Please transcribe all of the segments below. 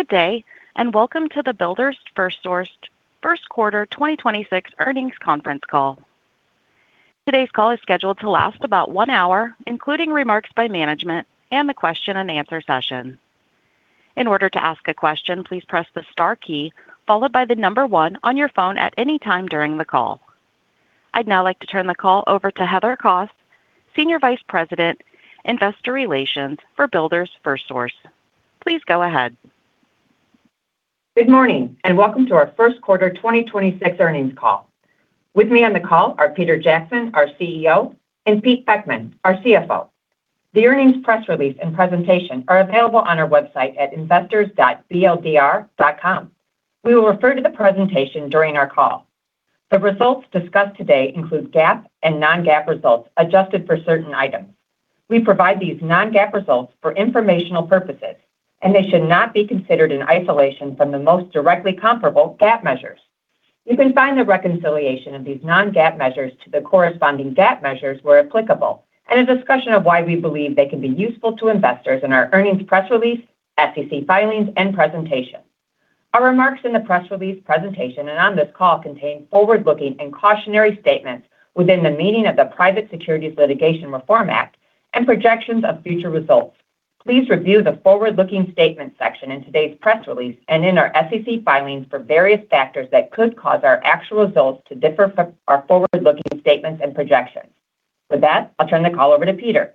Good day, welcome to the Builders FirstSource first quarter 2026 earnings conference call. Today's call is scheduled to last about one hour, including remarks by management and the question and answer session. In order to ask a question, please press the star key followed by the number one on your phone at any time during the call. I'd now like to turn the call over to Heather Kos, Senior Vice President, Investor Relations for Builders FirstSource. Please go ahead. Good morning, welcome to our first quarter 2026 earnings call. With me on the call are Peter Jackson, our CEO, and Pete Beckmann, our CFO. The earnings press release and presentation are available on our website at investors.bldr.com. We will refer to the presentation during our call. The results discussed today include GAAP and non-GAAP results adjusted for certain items. We provide these non-GAAP results for informational purposes, they should not be considered in isolation from the most directly comparable GAAP measures. You can find the reconciliation of these non-GAAP measures to the corresponding GAAP measures where applicable, a discussion of why we believe they can be useful to investors in our earnings press release, SEC filings, and presentation. Our remarks in the press release presentation and on this call contain forward-looking and cautionary statements within the meaning of the Private Securities Litigation Reform Act and projections of future results. Please review the forward-looking statements section in today's press release and in our SEC filings for various factors that could cause our actual results to differ from our forward-looking statements and projections. With that, I'll turn the call over to Peter.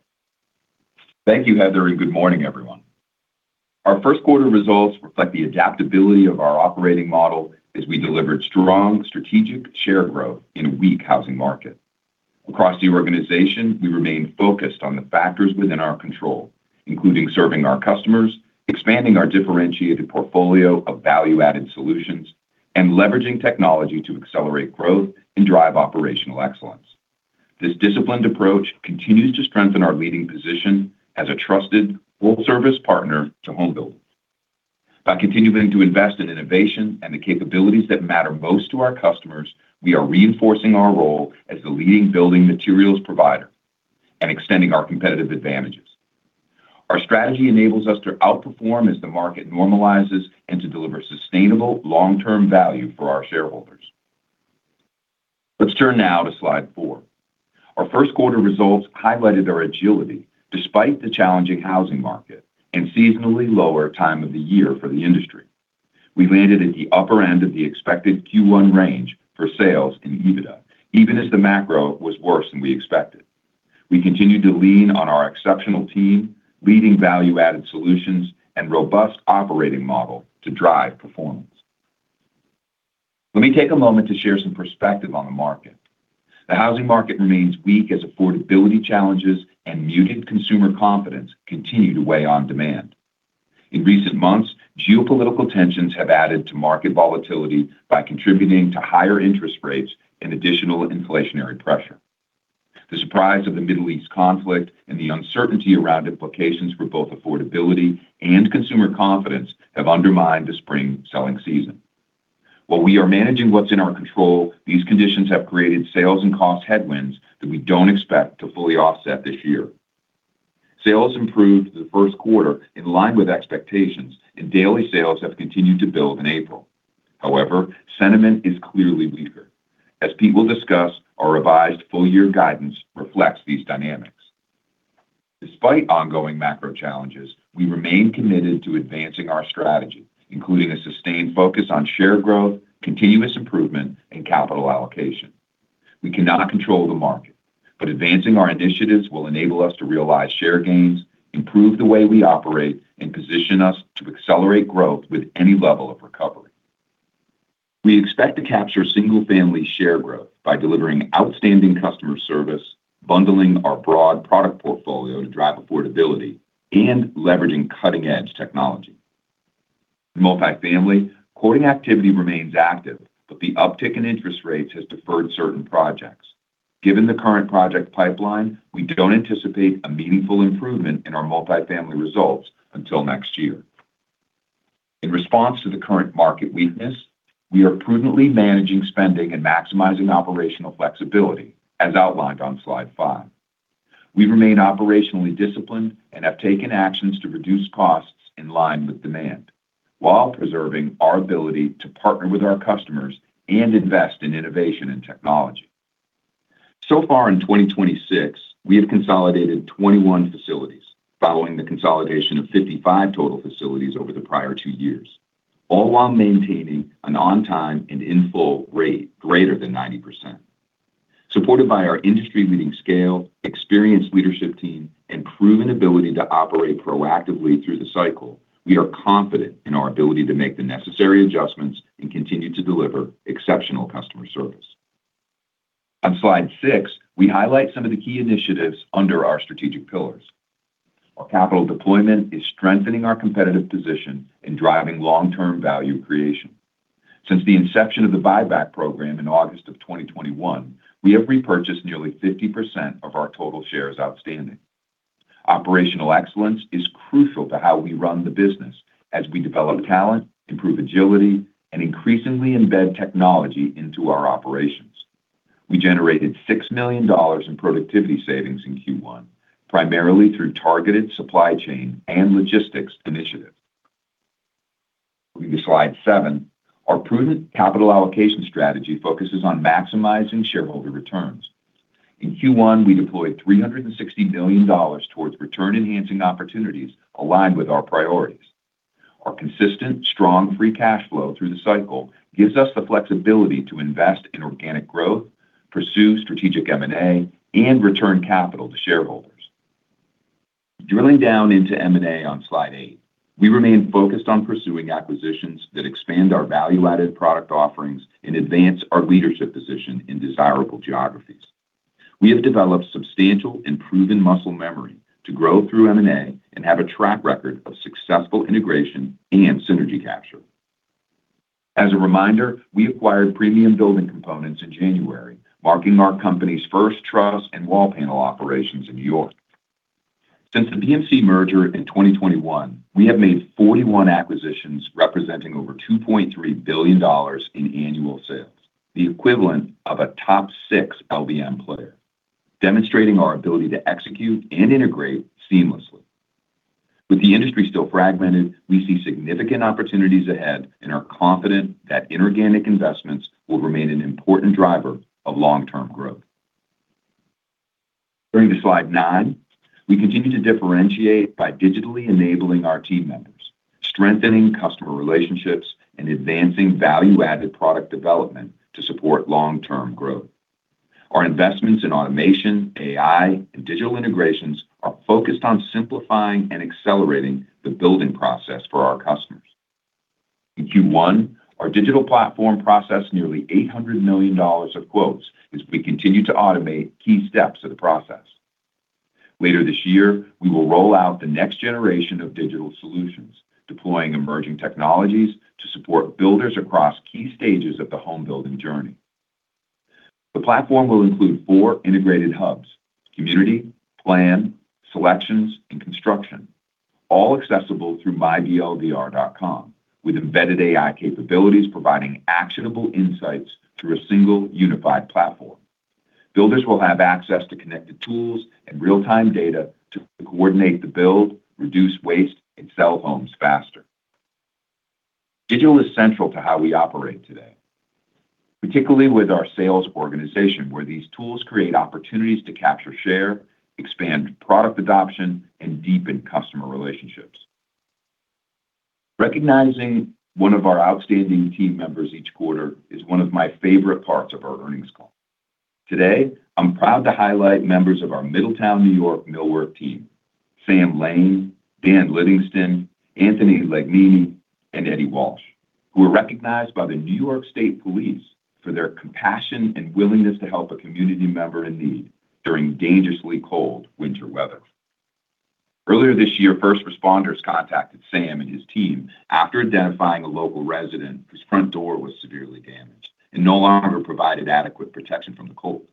Thank you, Heather, and good morning, everyone. Our first quarter results reflect the adaptability of our operating model as we delivered strong strategic share growth in a weak housing market. Across the organization, we remain focused on the factors within our control, including serving our customers, expanding our differentiated portfolio of value-added solutions, and leveraging technology to accelerate growth and drive operational excellence. This disciplined approach continues to strengthen our leading position as a trusted full-service partner to home builders. By continuing to invest in innovation and the capabilities that matter most to our customers, we are reinforcing our role as the leading building materials provider and extending our competitive advantages. Our strategy enables us to outperform as the market normalizes and to deliver sustainable long-term value for our shareholders. Let's turn now to slide four. Our first quarter results highlighted our agility despite the challenging housing market and seasonally lower time of the year for the industry. We landed at the upper end of the expected Q1 range for sales in EBITDA, even as the macro was worse than we expected. We continued to lean on our exceptional team, leading value-added solutions, and robust operating model to drive performance. Let me take a moment to share some perspective on the market. The housing market remains weak as affordability challenges and muted consumer confidence continue to weigh on demand. In recent months, geopolitical tensions have added to market volatility by contributing to higher interest rates and additional inflationary pressure. The surprise of the Middle East conflict and the uncertainty around implications for both affordability and consumer confidence have undermined the spring selling season. While we are managing what's in our control, these conditions have created sales and cost headwinds that we don't expect to fully offset this year. Sales improved the first quarter in line with expectations, and daily sales have continued to build in April. However, sentiment is clearly weaker. As Pete will discuss, our revised full year guidance reflects these dynamics. Despite ongoing macro challenges, we remain committed to advancing our strategy, including a sustained focus on share growth, continuous improvement, and capital allocation. We cannot control the market, but advancing our initiatives will enable us to realize share gains, improve the way we operate, and position us to accelerate growth with any level of recovery. We expect to capture single-family share growth by delivering outstanding customer service, bundling our broad product portfolio to drive affordability, and leveraging cutting-edge technology. In multifamily, quoting activity remains active, but the uptick in interest rates has deferred certain projects. Given the current project pipeline, we don't anticipate a meaningful improvement in our multifamily results until next year. In response to the current market weakness, we are prudently managing spending and maximizing operational flexibility, as outlined on slide five. We remain operationally disciplined and have taken actions to reduce costs in line with demand while preserving our ability to partner with our customers and invest in innovation and technology. So far in 2026, we have consolidated 21 facilities following the consolidation of 55 total facilities over the prior two years, all while maintaining an on-time and in-full rate greater than 90%. Supported by our industry-leading scale, experienced leadership team, and proven ability to operate proactively through the cycle, we are confident in our ability to make the necessary adjustments and continue to deliver exceptional customer service. On slide six, we highlight some of the key initiatives under our strategic pillars. Our capital deployment is strengthening our competitive position and driving long-term value creation. Since the inception of the buyback program in August of 2021, we have repurchased nearly 50% of our total shares outstanding. Operational excellence is crucial to how we run the business as we develop talent, improve agility, and increasingly embed technology into our operations. We generated $6 million in productivity savings in Q1, primarily through targeted supply chain and logistics initiatives. Moving to slide seven, our prudent capital allocation strategy focuses on maximizing shareholder returns. In Q1, we deployed $360 million towards return-enhancing opportunities aligned with our priorities. Our consistent, strong free cash flow through the cycle gives us the flexibility to invest in organic growth, pursue strategic M&A, and return capital to shareholders. Drilling down into M&A on Slide 8, we remain focused on pursuing acquisitions that expand our value-added product offerings and advance our leadership position in desirable geographies. We have developed substantial and proven muscle memory to grow through M&A and have a track record of successful integration and synergy capture. As a reminder, we acquired Premium Building Components in January, marking our company's first truss and wall panel operations in New York. Since the BMC merger in 2021, we have made 41 acquisitions representing over $2.3 billion in annual sales, the equivalent of a top 6 LBM player, demonstrating our ability to execute and integrate seamlessly. With the industry still fragmented, we see significant opportunities ahead and are confident that inorganic investments will remain an important driver of long-term growth. Turning to slide nine, we continue to differentiate by digitally enabling our team members, strengthening customer relationships, and advancing value-added product development to support long-term growth. Our investments in automation, AI, and digital integrations are focused on simplifying and accelerating the building process for our customers. In Q1, our digital platform processed nearly $800 million of quotes as we continue to automate key steps of the process. Later this year, we will roll out the next generation of digital solutions, deploying emerging technologies to support builders across key stages of the home building journey. The platform will include four integrated hubs: community, plan, selections, and construction, all accessible through myBLDR.com, with embedded AI capabilities providing actionable insights through a single unified platform. Builders will have access to connected tools and real-time data to coordinate the build, reduce waste, and sell homes faster. Digital is central to how we operate today, particularly with our sales organization, where these tools create opportunities to capture share, expand product adoption, and deepen customer relationships. Recognizing one of our outstanding team members each quarter is one of my favorite parts of our earnings call. Today, I'm proud to highlight members of our Middletown, New York, Millwork team, Sam Lane, Dan Livingston, Anthony Legnee, and Eddie Walsh, who were recognized by the New York State Police for their compassion and willingness to help a community member in need during dangerously cold winter weather. Earlier this year, first responders contacted Sam and his team after identifying a local resident whose front door was severely damaged and no longer provided adequate protection from the cold.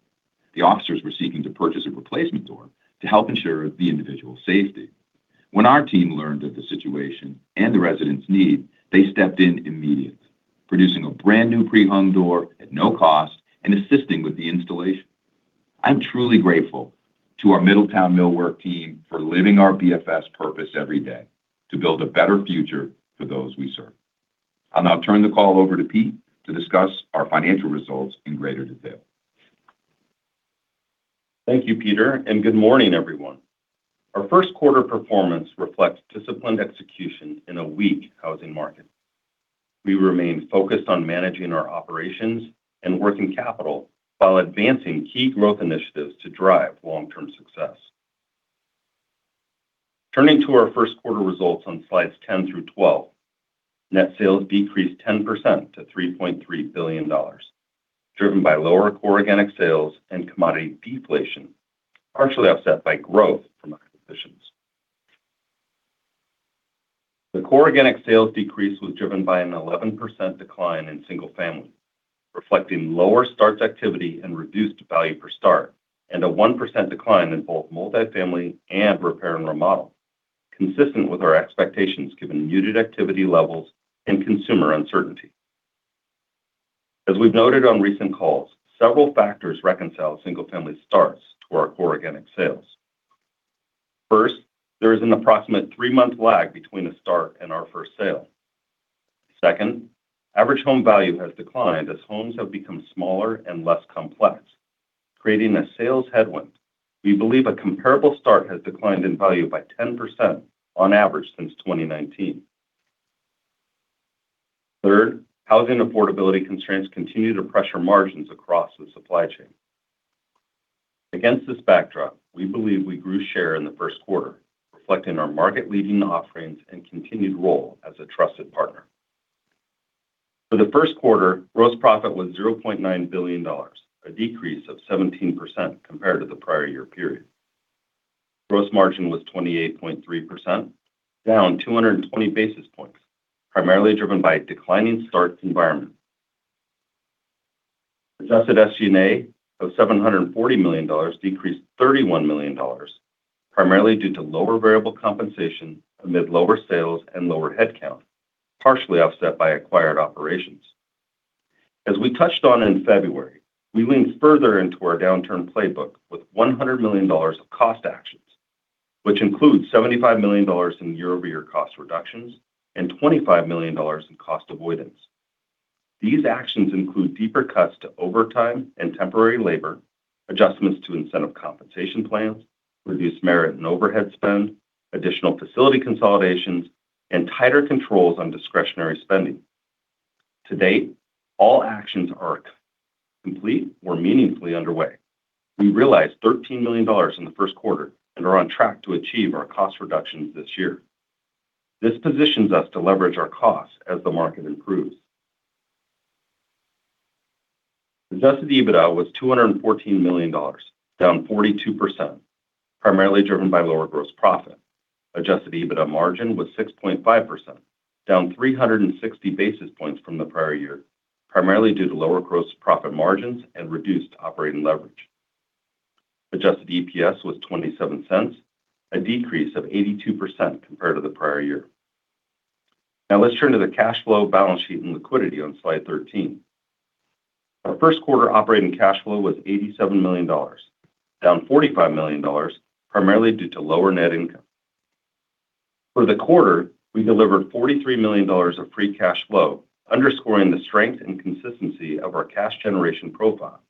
The officers were seeking to purchase a replacement door to help ensure the individual's safety. When our team learned of the situation and the resident's need, they stepped in immediately, producing a brand-new pre-hung door at no cost and assisting with the installation. I'm truly grateful to our Middletown Millwork team for living our BFS purpose every day: to build a better future for those we serve. I'll now turn the call over to Pete to discuss our financial results in greater detail. Thank you, Peter, good morning, everyone. Our first quarter performance reflects disciplined execution in a weak housing market. We remain focused on managing our operations and working capital while advancing key growth initiatives to drive long-term success. Turning to our first quarter results on slides 10 through 12, net sales decreased 10% to $3.3 billion, driven by lower core organic sales and commodity deflation, partially offset by growth from acquisitions. The core organic sales decrease was driven by an 11% decline in single family, reflecting lower starts activity and reduced value per start, and a 1% decline in both multifamily and repair and remodel, consistent with our expectations given muted activity levels and consumer uncertainty. As we've noted on recent calls, several factors reconcile single-family starts to our core organic sales. First, there is an approximate three-month lag between a start and our first sale. Second, average home value has declined as homes have become smaller and less complex, creating a sales headwind. We believe a comparable start has declined in value by 10% on average since 2019. Third, housing affordability constraints continue to pressure margins across the supply chain. Against this backdrop, we believe we grew share in the first quarter, reflecting our market-leading offerings and continued role as a trusted partner. For the first quarter, gross profit was $0.9 billion, a decrease of 17% compared to the prior year period. Gross margin was 28.3%, down 220 basis points, primarily driven by a declining starts environment. Adjusted SG&A of $740 million decreased $31 million, primarily due to lower variable compensation amid lower sales and lower headcount, partially offset by acquired operations. As we touched on in February, we leaned further into our downturn playbook with $100 million of cost actions, which includes $75 million in year-over-year cost reductions and $25 million in cost avoidance. These actions include deeper cuts to overtime and temporary labor, adjustments to incentive compensation plans, reduced merit and overhead spend, additional facility consolidations, and tighter controls on discretionary spending. To date, all actions are complete or meaningfully underway. We realized $13 million in the first quarter and are on track to achieve our cost reductions this year. This positions us to leverage our costs as the market improves. Adjusted EBITDA was $214 million, down 42%, primarily driven by lower gross profit. Adjusted EBITDA margin was 6.5%, down 360 basis points from the prior year, primarily due to lower gross profit margins and reduced operating leverage. Adjusted EPS was $0.27, a decrease of 82% compared to the prior year. Let's turn to the cash flow balance sheet and liquidity on slide 13. Our first quarter operating cash flow was $87 million, down $45 million, primarily due to lower net income. For the quarter, we delivered $43 million of free cash flow, underscoring the strength and consistency of our cash generation profile.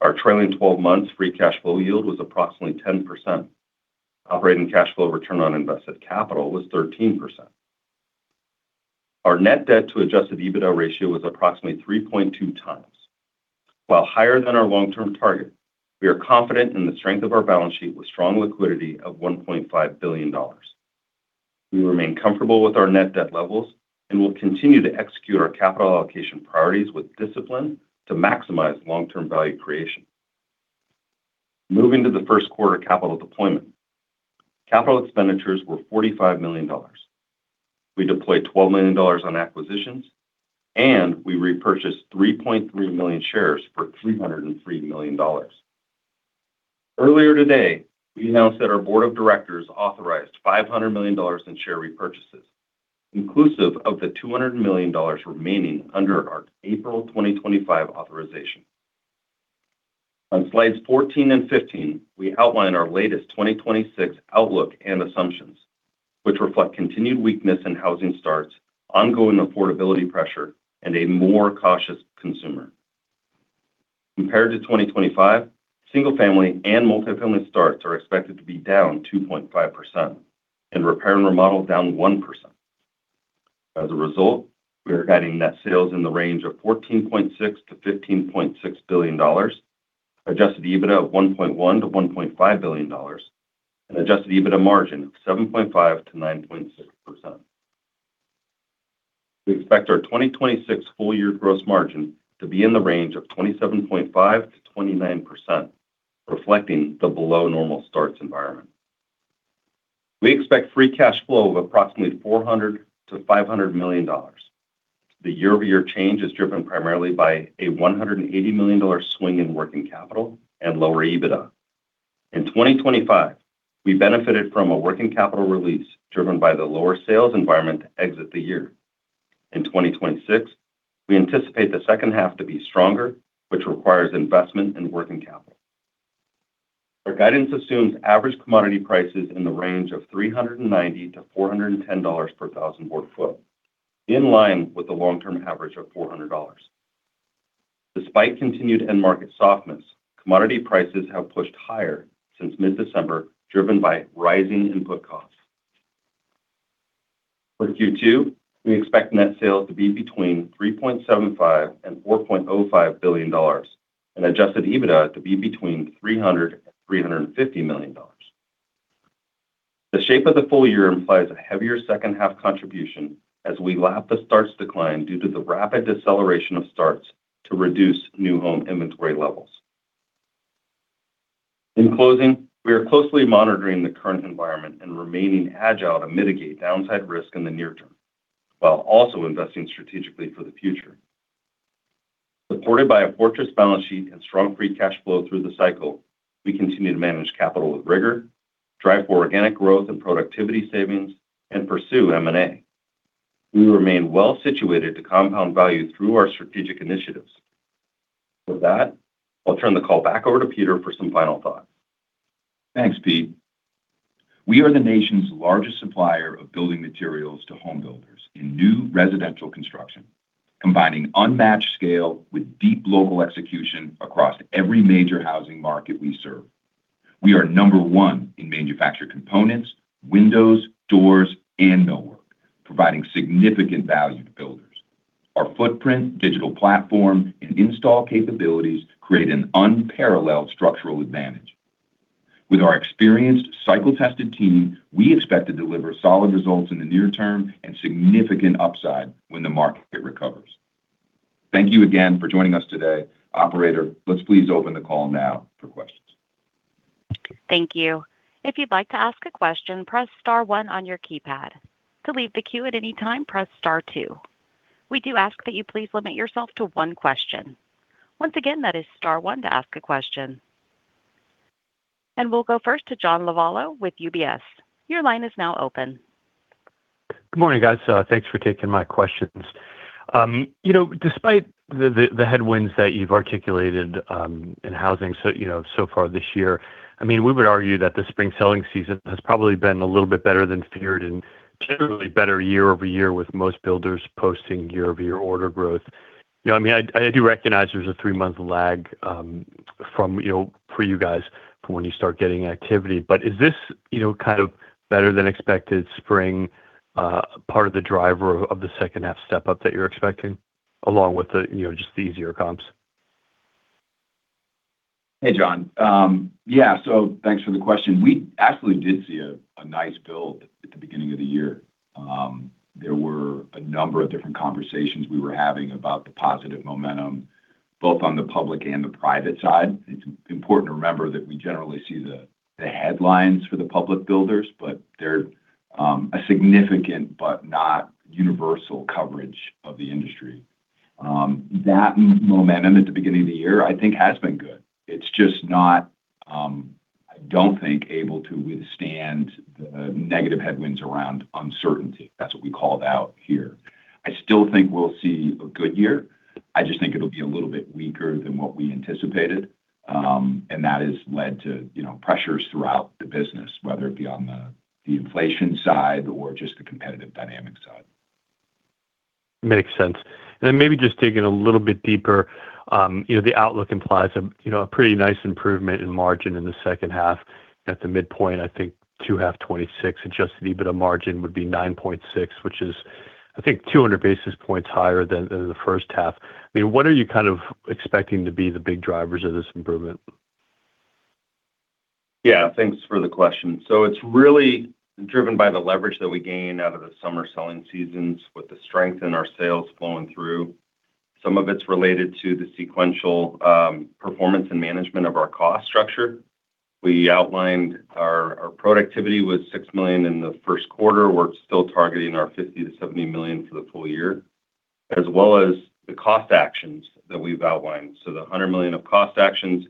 Our trailing 12 months free cash flow yield was approximately 10%. Operating cash flow return on invested capital was 13%. Our net debt to Adjusted EBITDA ratio was approximately 3.2x. While higher than our long-term target, we are confident in the strength of our balance sheet with strong liquidity of $1.5 billion. We remain comfortable with our net debt levels and will continue to execute our capital allocation priorities with discipline to maximize long-term value creation. Moving to the first quarter capital deployment. Capital expenditures were $45 million. We deployed $12 million on acquisitions, and we repurchased 3.3 million shares for $303 million. Earlier today, we announced that our board of directors authorized $500 million in share repurchases, inclusive of the $200 million remaining under our April 2025 authorization. On slides 14 and 15, we outline our latest 2026 outlook and assumptions, which reflect continued weakness in housing starts, ongoing affordability pressure, and a more cautious consumer. Compared to 2025, single-family and multifamily starts are expected to be down 2.5% and repair and remodel down 1%. As a result, we are guiding net sales in the range of $14.6 billion-$15.6 billion, Adjusted EBITDA of $1.1 billion-$1.5 billion, and Adjusted EBITDA margin of 7.5%-9.6%. We expect our 2026 full year gross margin to be in the range of 27.5%-29%, reflecting the below normal starts environment. We expect free cash flow of approximately $400 million-$500 million. The year-over-year change is driven primarily by a $180 million swing in working capital and lower EBITDA. In 2025, we benefited from a working capital release driven by the lower sales environment to exit the year. In 2026, we anticipate the second half to be stronger, which requires investment in working capital. Our guidance assumes average commodity prices in the range of $390-$410 per thousand board foot, in line with the long-term average of $400. Despite continued end market softness, commodity prices have pushed higher since mid-December, driven by rising input costs. For Q2, we expect net sales to be between $3.75 billion and $4.05 billion and Adjusted EBITDA to be between $300 million and $350 million. The shape of the full year implies a heavier second half contribution as we lap the starts decline due to the rapid deceleration of starts to reduce new home inventory levels. In closing, we are closely monitoring the current environment and remaining agile to mitigate downside risk in the near term, while also investing strategically for the future. Supported by a fortress balance sheet and strong free cash flow through the cycle, we continue to manage capital with rigor, drive for organic growth and productivity savings, and pursue M&A. We remain well-situated to compound value through our strategic initiatives. With that, I'll turn the call back over to Peter for some final thoughts. Thanks, Pete. We are the nation's largest supplier of building materials to home builders in new residential construction, combining unmatched scale with deep local execution across every major housing market we serve. We are number one in manufactured components, windows, doors, and millwork, providing significant value to builders. Our footprint, digital platform, and install capabilities create an unparalleled structural advantage. With our experienced, cycle-tested team, we expect to deliver solid results in the near term and significant upside when the market recovers. Thank you again for joining us today. Operator, let's please open the call now for questions. Thank you. If you'd like to ask a question, press star one on your keypad. To leave the queue at any time, press star two. We do ask that you please limit yourself to one question. Once again, that is star one to ask a question. We'll go first to John Lovallo with UBS. Your line is now open. Good morning, guys. Thanks for taking my questions. You know, despite the, the headwinds that you've articulated in housing so, you know, so far this year, I mean, we would argue that the spring selling season has probably been a little bit better than feared and generally better year-over-year with most builders posting year-over-year order growth. You know, I mean, I do recognize there's a three-month lag from, you know, for you guys from when you start getting activity. Is this, you know, kind of better than expected spring part of the driver of the second-half step-up that you're expecting along with the, you know, just the easier comps? Hey, John. Yeah. Thanks for the question. We actually did see a nice build at the beginning of the year. There were a number of different conversations we were having about the positive momentum, both on the public and the private side. It's important to remember that we generally see the headlines for the public builders, but they're a significant but not universal coverage of the industry. That momentum at the beginning of the year, I think, has been good. It's just not, I don't think able to withstand the negative headwinds around uncertainty. That's what we called out here. I still think we'll see a good year. I just think it'll be a little bit weaker than what we anticipated. That has led to, you know, pressures throughout the business, whether it be on the inflation side or just the competitive dynamic side. Makes sense. Maybe just digging a little bit deeper, the outlook implies a pretty nice improvement in margin in the second half. At the midpoint, I think two half 2026, Adjusted EBITDA margin would be 9.6, which is, I think, 200 basis points higher than the first half. What are you kind of expecting to be the big drivers of this improvement? Yeah. Thanks for the question. It's really driven by the leverage that we gain out of the summer selling seasons with the strength in our sales flowing through. Some of it's related to the sequential performance and management of our cost structure. We outlined our productivity was $6 million in the first quarter. We're still targeting our $50 million-$70 million for the full year, as well as the cost actions that we've outlined. The $100 million of cost actions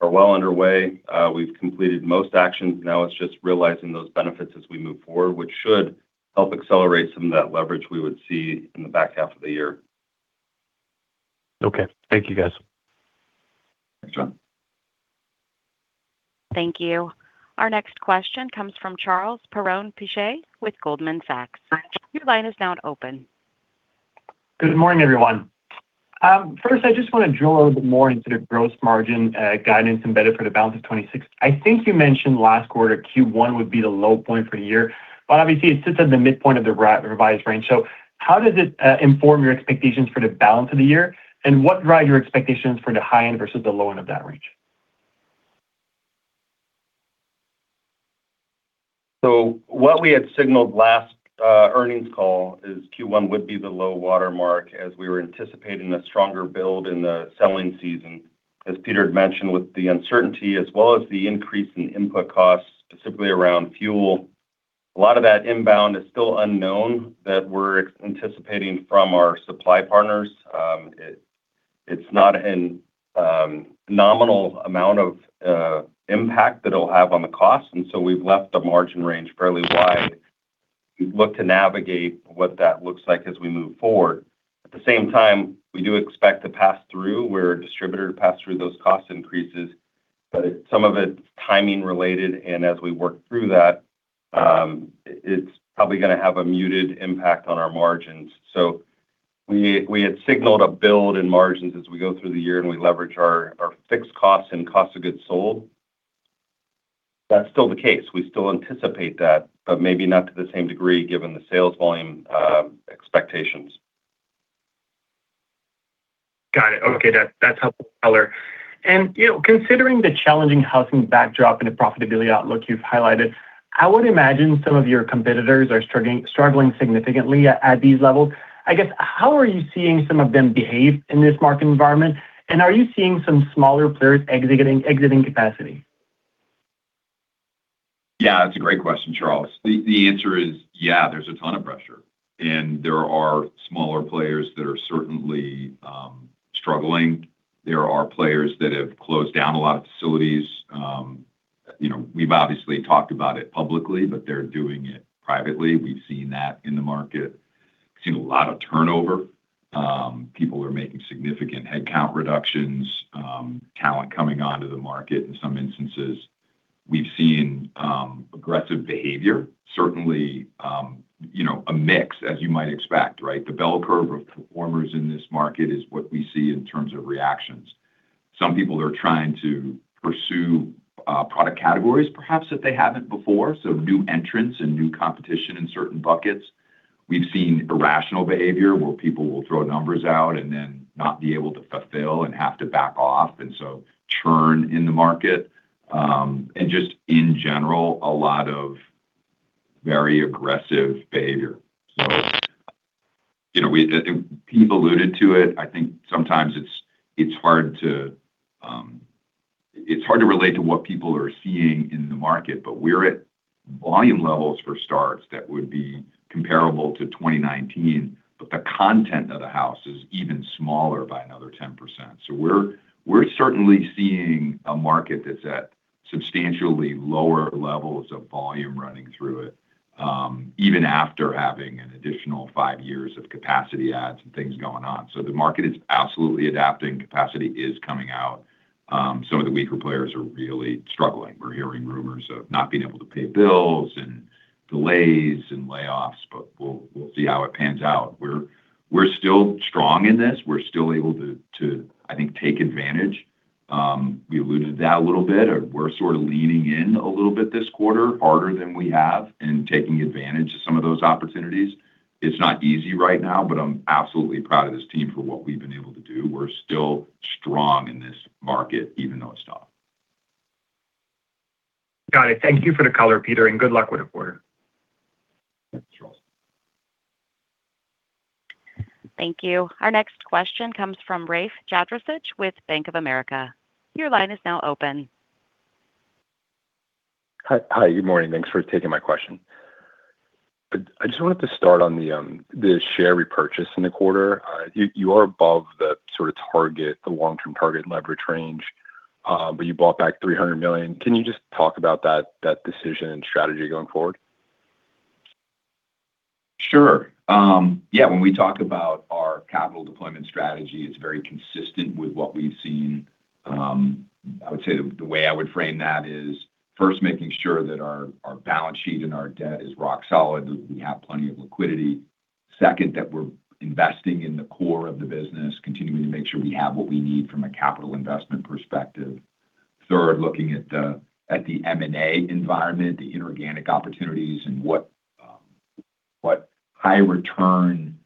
are well underway. We've completed most actions. Now it's just realizing those benefits as we move forward, which should help accelerate some of that leverage we would see in the back half of the year. Okay. Thank you, guys. Thanks, John. Thank you. Our next question comes from Charles Perron-Piché with Goldman Sachs. Your line is now open. Good morning, everyone. First, I just want to drill a little bit more into the gross margin guidance embedded for the balance of 2026. I think you mentioned last quarter Q1 would be the low point for the year, but obviously, it sits at the midpoint of the revised range. How does it inform your expectations for the balance of the year? What drives your expectations for the high end versus the low end of that range? What we had signaled last earnings call is Q1 would be the low water mark as we were anticipating a stronger build in the selling season. As Peter had mentioned, with the uncertainty as well as the increase in input costs, specifically around fuel, a lot of that inbound is still unknown that we're anticipating from our supply partners. It's not a nominal amount of impact that it'll have on the cost. We've left the margin range fairly wide. We look to navigate what that looks like as we move forward. At the same time, we do expect to pass through where a distributor pass through those cost increases. Some of it's timing related, and as we work through that, it's probably gonna have a muted impact on our margins. We had signaled a build in margins as we go through the year and we leverage our fixed costs and cost of goods sold. That's still the case. We still anticipate that, but maybe not to the same degree given the sales volume expectations. Got it. Okay. That's helpful color. You know, considering the challenging housing backdrop and the profitability outlook you've highlighted, I would imagine some of your competitors are struggling significantly at these levels. I guess, how are you seeing some of them behave in this market environment? Are you seeing some smaller players exiting capacity? Yeah, that's a great question, Charles. The answer is, yeah, there's a ton of pressure, and there are smaller players that are certainly struggling. There are players that have closed down a lot of facilities. You know, we've obviously talked about it publicly, but they're doing it privately. We've seen that in the market. We've seen a lot of turnover. People are making significant headcount reductions, talent coming onto the market in some instances. We've seen aggressive behavior, certainly, you know, a mix as you might expect, right? The bell curve of performers in this market is what we see in terms of reactions. Some people are trying to pursue product categories perhaps that they haven't before, so new entrants and new competition in certain buckets. We've seen irrational behavior where people will throw numbers out and then not be able to fulfill and have to back off, churn in the market. Just in general, a lot of very aggressive behavior. You know, Pete alluded to it. I think sometimes it's hard to relate to what people are seeing in the market, but we're at- Volume levels for starts that would be comparable to 2019. The content of the house is even smaller by another 10%. We're certainly seeing a market that's at substantially lower levels of volume running through it, even after having an additional five years of capacity adds and things going on. The market is absolutely adapting. Capacity is coming out. Some of the weaker players are really struggling. We're hearing rumors of not being able to pay bills and delays and layoffs, but we'll see how it pans out. We're still strong in this. We're still able to, I think, take advantage. We alluded to that a little bit. We're sort of leaning in a little bit this quarter harder than we have and taking advantage of some of those opportunities. It's not easy right now, but I'm absolutely proud of this team for what we've been able to do. We're still strong in this market, even though it's tough. Got it. Thank you for the color, Peter, and good luck with the quarter. Thanks, Charles. Thank you. Our next question comes from Rafe Jadrosich with Bank of America. Your line is now open. Hi. Good morning. Thanks for taking my question. I just wanted to start on the share repurchase in the quarter. You are above the sort of target, the long-term target leverage range, but you bought back $300 million. Can you just talk about that decision and strategy going forward? Sure. When we talk about our capital deployment strategy, it's very consistent with what we've seen. I would say the way I would frame that is first making sure that our balance sheet and our debt is rock solid, that we have plenty of liquidity. Second, that we're investing in the core of the business, continuing to make sure we have what we need from a capital investment perspective. Third, looking at the M&A environment, the inorganic opportunities and what high return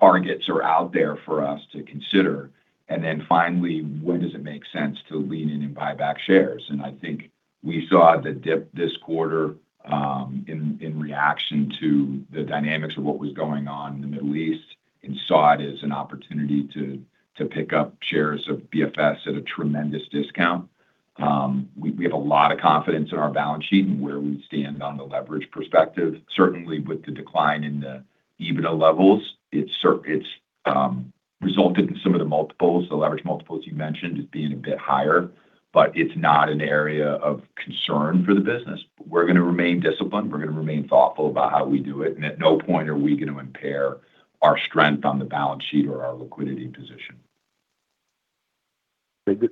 targets are out there for us to consider. Then finally, where does it make sense to lean in and buy back shares? I think we saw the dip this quarter, in reaction to the dynamics of what was going on in the Middle East and saw it as an opportunity to pick up shares of BFS at a tremendous discount. We have a lot of confidence in our balance sheet and where we stand on the leverage perspective. Certainly with the decline in the EBITDA levels, it's resulted in some of the multiples, the leverage multiples you mentioned as being a bit higher, but it's not an area of concern for the business. We're gonna remain disciplined. We're gonna remain thoughtful about how we do it. At no point are we gonna impair our strength on the balance sheet or our liquidity position.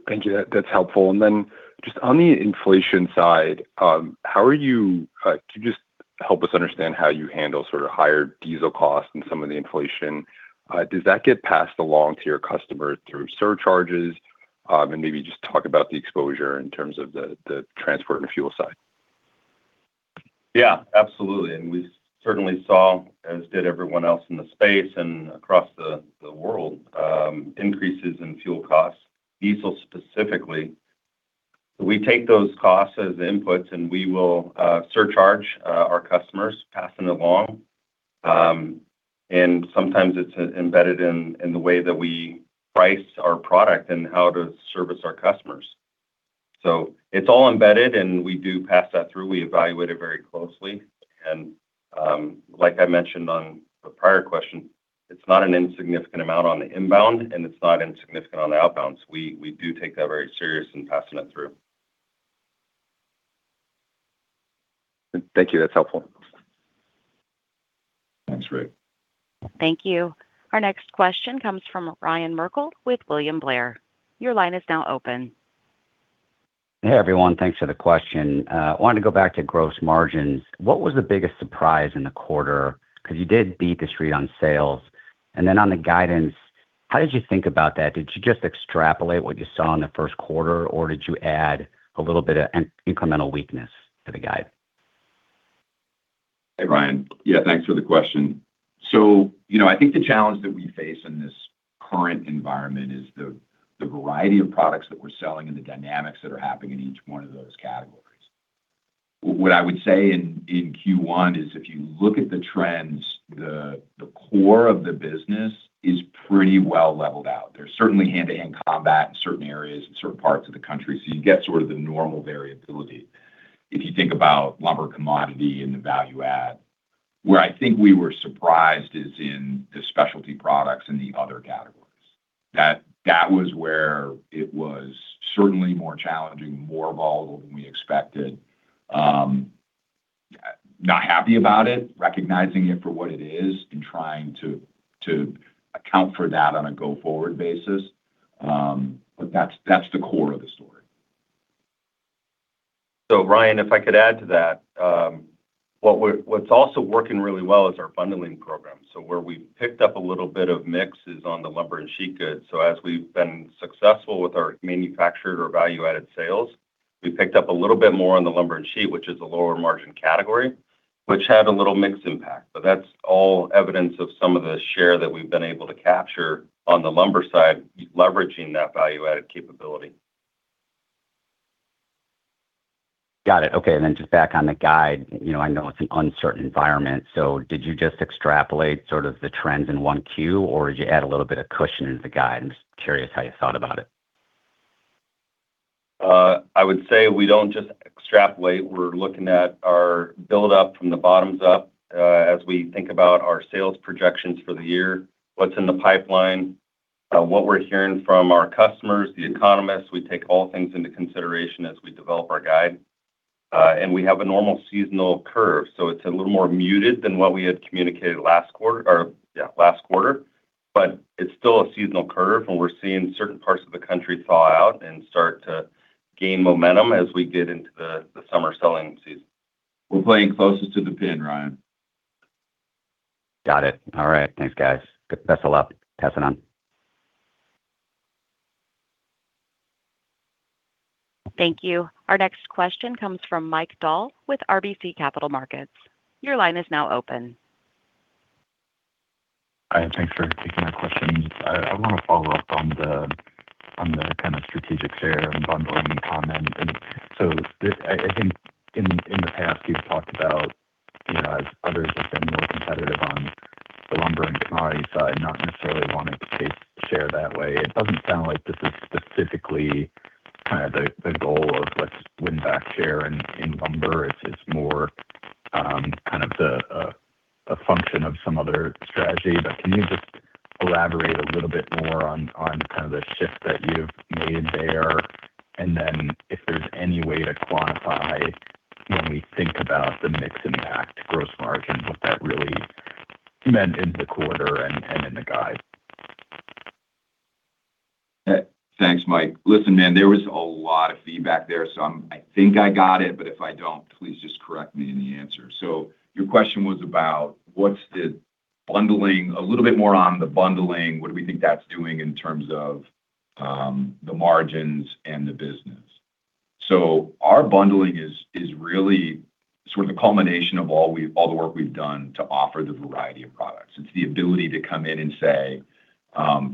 Thank you. That's helpful. Then just on the inflation side, how are you, could you just help us understand how you handle sort of higher diesel costs and some of the inflation? Does that get passed along to your customer through surcharges? Maybe just talk about the exposure in terms of the transport and fuel side. Yeah, absolutely. We certainly saw, as did everyone else in the space and across the world, increases in fuel costs, diesel specifically. We take those costs as inputs, we will surcharge our customers, pass them along. Sometimes it's embedded in the way that we price our product and how to service our customers. It's all embedded, we do pass that through. We evaluate it very closely. Like I mentioned on the prior question, it's not an insignificant amount on the inbound, it's not insignificant on the outbound. We do take that very serious in passing it through. Thank you. That's helpful. Thanks, Rafe. Thank you. Our next question comes from Ryan Merkel with William Blair. Your line is now open. Hey, everyone. Thanks for the question. I wanted to go back to gross margins. What was the biggest surprise in the quarter? You did beat the street on sales. On the guidance, how did you think about that? Did you just extrapolate what you saw in the first quarter, or did you add a little bit of an incremental weakness to the guide? Hey, Ryan. Yeah, thanks for the question. You know, I think the challenge that we face in this current environment is the variety of products that we're selling and the dynamics that are happening in each one of those categories. What I would say in Q1 is if you look at the trends, the core of the business is pretty well leveled out. There's certainly hand-to-hand combat in certain areas and certain parts of the country, so you get sort of the normal variability if you think about lumber commodity and the value add. Where I think we were surprised is in the specialty products and the other categories. That was where it was certainly more challenging, more volatile than we expected. Not happy about it, recognizing it for what it is and trying to account for that on a go-forward basis. That's, that's the core of the story. Ryan, if I could add to that, what's also working really well is our bundling program. Where we picked up a little bit of mix is on the lumber and sheet goods. As we've been successful with our manufactured or value-added sales, we picked up a little bit more on the lumber and sheet, which is a lower margin category, which had a little mix impact. That's all evidence of some of the share that we've been able to capture on the lumber side, leveraging that value-added capability. Got it. Okay, then just back on the guide. You know, I know it's an uncertain environment. Did you just extrapolate sort of the trends in 1Q, or did you add a little bit of cushion into the guide? I'm just curious how you thought about it. I would say we don't just extrapolate. We're looking at our build-up from the bottoms up, as we think about our sales projections for the year, what's in the pipeline, what we're hearing from our customers, the economists. We take all things into consideration as we develop our guide. We have a normal seasonal curve, so it's a little more muted than what we had communicated last quarter or, yeah, last quarter. It's still a seasonal curve, and we're seeing certain parts of the country thaw out and start to gain momentum as we get into the summer selling season. We're playing closest to the pin, Ryan. Got it. All right. Thanks, guys. Good vessel up. Testing on. Thank you. Our next question comes from Mike Dahl with RBC Capital Markets. Your line is now open. Hi, thanks for taking our questions. I want to follow up on the kind of strategic share and bundling comments. I think in the past, you've talked about, you know, as others have been more competitive on the lumber and commodities side, not necessarily wanting to take share that way. It doesn't sound like this is specifically kind of the goal of let's win back share in lumber. It's more kind of the function of some other strategy. Can you just elaborate a little bit more on kind of the shift that you've made there? If there's any way to quantify when we think about the mix impact gross margin, what that really meant in the quarter and in the guide. Thanks, Mike. Listen, man, there was a lot of feedback there, so I think I got it, but if I don't, please just correct me in the answer. Your question was about what's the bundling, a little bit more on the bundling, what do we think that's doing in terms of the margins and the business. Our bundling is really sort of the culmination of all the work we've done to offer the variety of products. It's the ability to come in and say,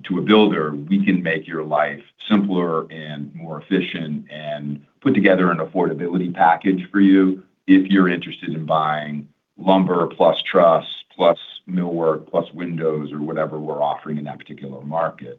to a builder, "We can make your life simpler and more efficient and put together an affordability package for you if you're interested in buying lumber plus truss plus millwork plus windows or whatever we're offering in that particular market."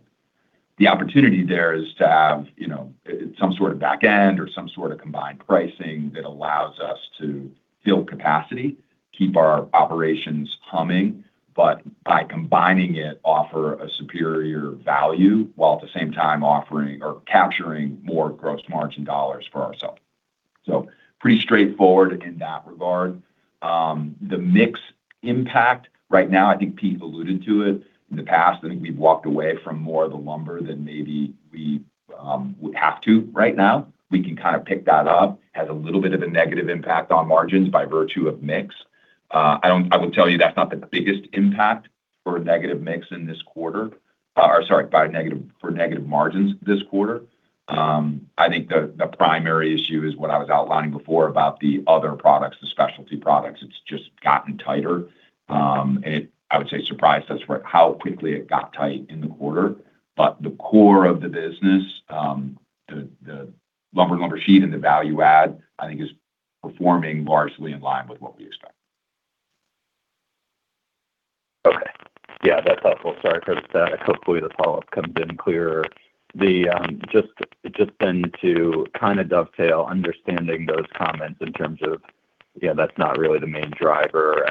The opportunity there is to have, you know, some sort of back end or some sort of combined pricing that allows us to fill capacity, keep our operations humming, by combining it, offer a superior value while at the same time offering or capturing more gross margin dollars for ourselves. Pretty straightforward in that regard. The mix impact right now, I think Pete alluded to it. In the past, I think we've walked away from more of the lumber than maybe we would have to right now. We can kind of pick that up. Has a little bit of a negative impact on margins by virtue of mix. I would tell you that's not the biggest impact for a negative mix in this quarter. Sorry, for negative margins this quarter. I think the primary issue is what I was outlining before about the other products, the specialty products. It's just gotten tighter. It, I would say, surprised us right how quickly it got tight in the quarter. The core of the business, the lumber and sheet goods and the value add, I think is performing largely in line with what we expect. Okay. Yeah, that's helpful. Sorry for the static. Hopefully, the follow-up comes in clearer. Then to kind of dovetail understanding those comments in terms of, you know, that's not really the main driver.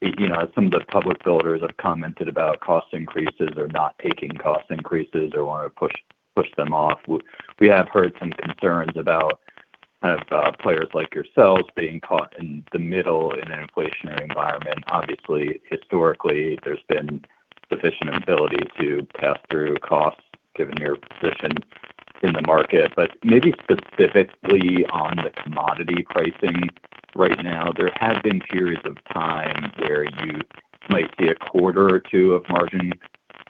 You know, some of the public builders have commented about cost increases or not taking cost increases or wanna push them off. We have heard some concerns about kind of players like yourselves being caught in the middle in an inflationary environment. Obviously, historically, there's been sufficient ability to pass through costs given your position in the market. Maybe specifically on the commodity pricing right now, there have been periods of time where you might see a quarter or two of margin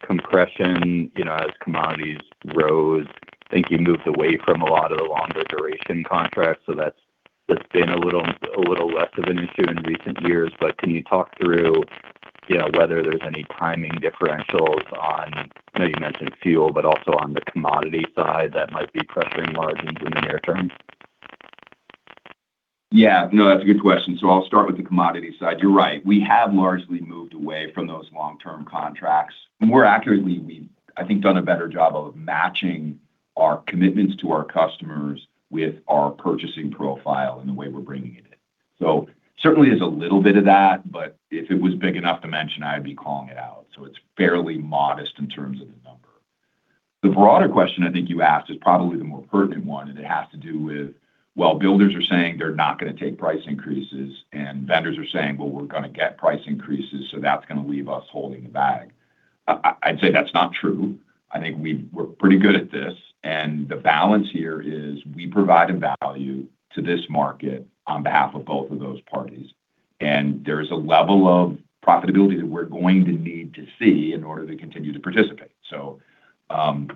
compression, you know, as commodities rose. I think you moved away from a lot of the longer duration contracts, so that's been a little, a little less of an issue in recent years. Can you talk through, you know, whether there's any timing differentials on, I know you mentioned fuel, but also on the commodity side that might be pressuring margins in the near term? Yeah. No, that's a good question. I'll start with the commodity side. You're right. We have largely moved away from those long-term contracts. More accurately, we've, I think, done a better job of matching our commitments to our customers with our purchasing profile and the way we're bringing it in. Certainly, there's a little bit of that, but if it was big enough to mention, I'd be calling it out. It's fairly modest in terms of the number. The broader question I think you asked is probably the more pertinent one. It has to do with while builders are saying they're not gonna take price increases and vendors are saying, "Well, we're gonna get price increases, so that's gonna leave us holding the bag." I'd say that's not true. I think we're pretty good at this, The balance here is we provide a value to this market on behalf of both of those parties, and there's a level of profitability that we're going to need to see in order to continue to participate.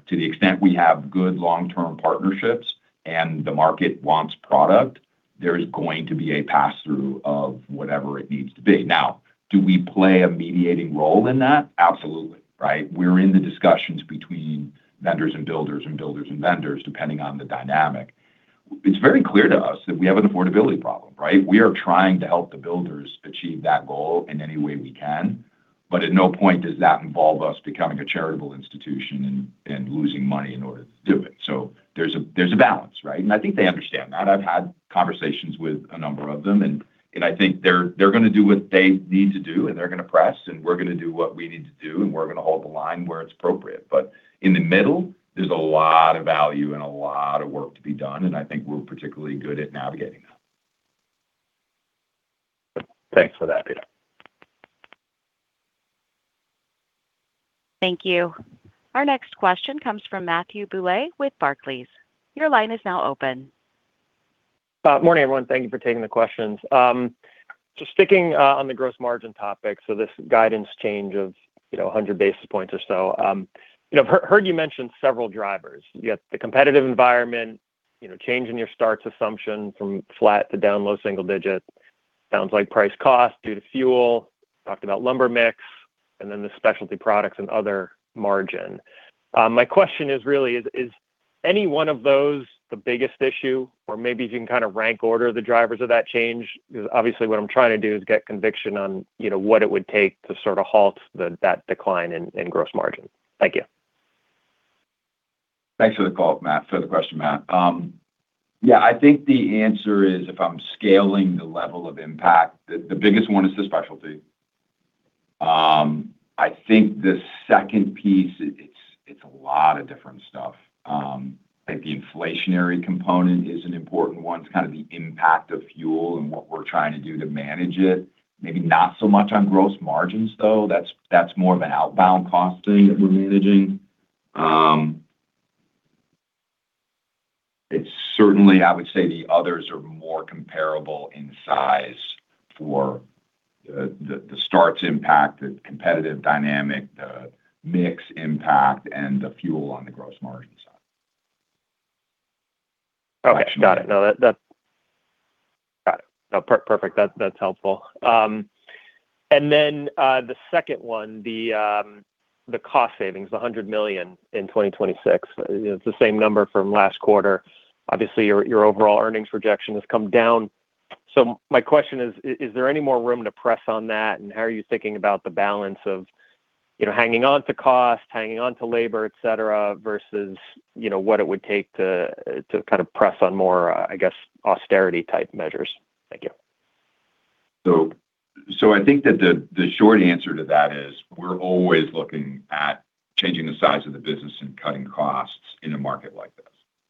To the extent we have good long-term partnerships and the market wants product, there's going to be a pass-through of whatever it needs to be. Now, do we play a mediating role in that? Absolutely, right? We're in the discussions between vendors and builders and builders and vendors, depending on the dynamic. It's very clear to us that we have an affordability problem, right? We are trying to help the builders achieve that goal in any way we can, but at no point does that involve us becoming a charitable institution and losing money in order to do it. There's a balance, right? I think they understand that. I've had conversations with a number of them, and I think they're gonna do what they need to do, and they're gonna press, and we're gonna do what we need to do, and we're gonna hold the line where it's appropriate. In the middle, there's a lot of value and a lot of work to be done, and I think we're particularly good at navigating that. Thanks for that, Peter. Thank you. Our next question comes from Matthew Bouley with Barclays. Your line is now open. Morning, everyone. Thank you for taking the questions. Just sticking on the gross margin topic, this guidance change of, you know, 100 basis points or so. You know, I've heard you mention several drivers. You have the competitive environment, you know, change in your starts assumption from flat to down low single digits. Sounds like price cost due to fuel. You talked about lumber mix, and then the specialty products and other margin. My question is really, is any one of those the biggest issue, or maybe if you can kind of rank order the drivers of that change? Obviously, what I'm trying to do is get conviction on, you know, what it would take to sort of halt that decline in gross margin. Thank you. Thanks for the call, Matt. For the question, Matt. Yeah, I think the answer is, if I'm scaling the level of impact, the biggest one is the specialty. I think the second piece, it's a lot of different stuff. I think the inflationary component is an important one. It's kind of the impact of fuel and what we're trying to do to manage it. Maybe not so much on gross margins, though. That's more of an outbound costing that we're managing. It's certainly, I would say the others are more comparable in size for the starts impact, the competitive dynamic, the mix impact, and the fuel on the gross margin side. Okay. Got it. Got it. No, perfect. That's helpful. And then, the second one, the cost savings, the $100 million in 2026. You know, it's the same number from last quarter. Obviously, your overall earnings projection has come down. My question is there any more room to press on that, and how are you thinking about the balance of, you know, hanging on to cost, hanging on to labor, et cetera, versus, you know, what it would take to kind of press on more, I guess, austerity type measures? Thank you. I think that the short answer to that is we're always looking at changing the size of the business and cutting costs in a market like this.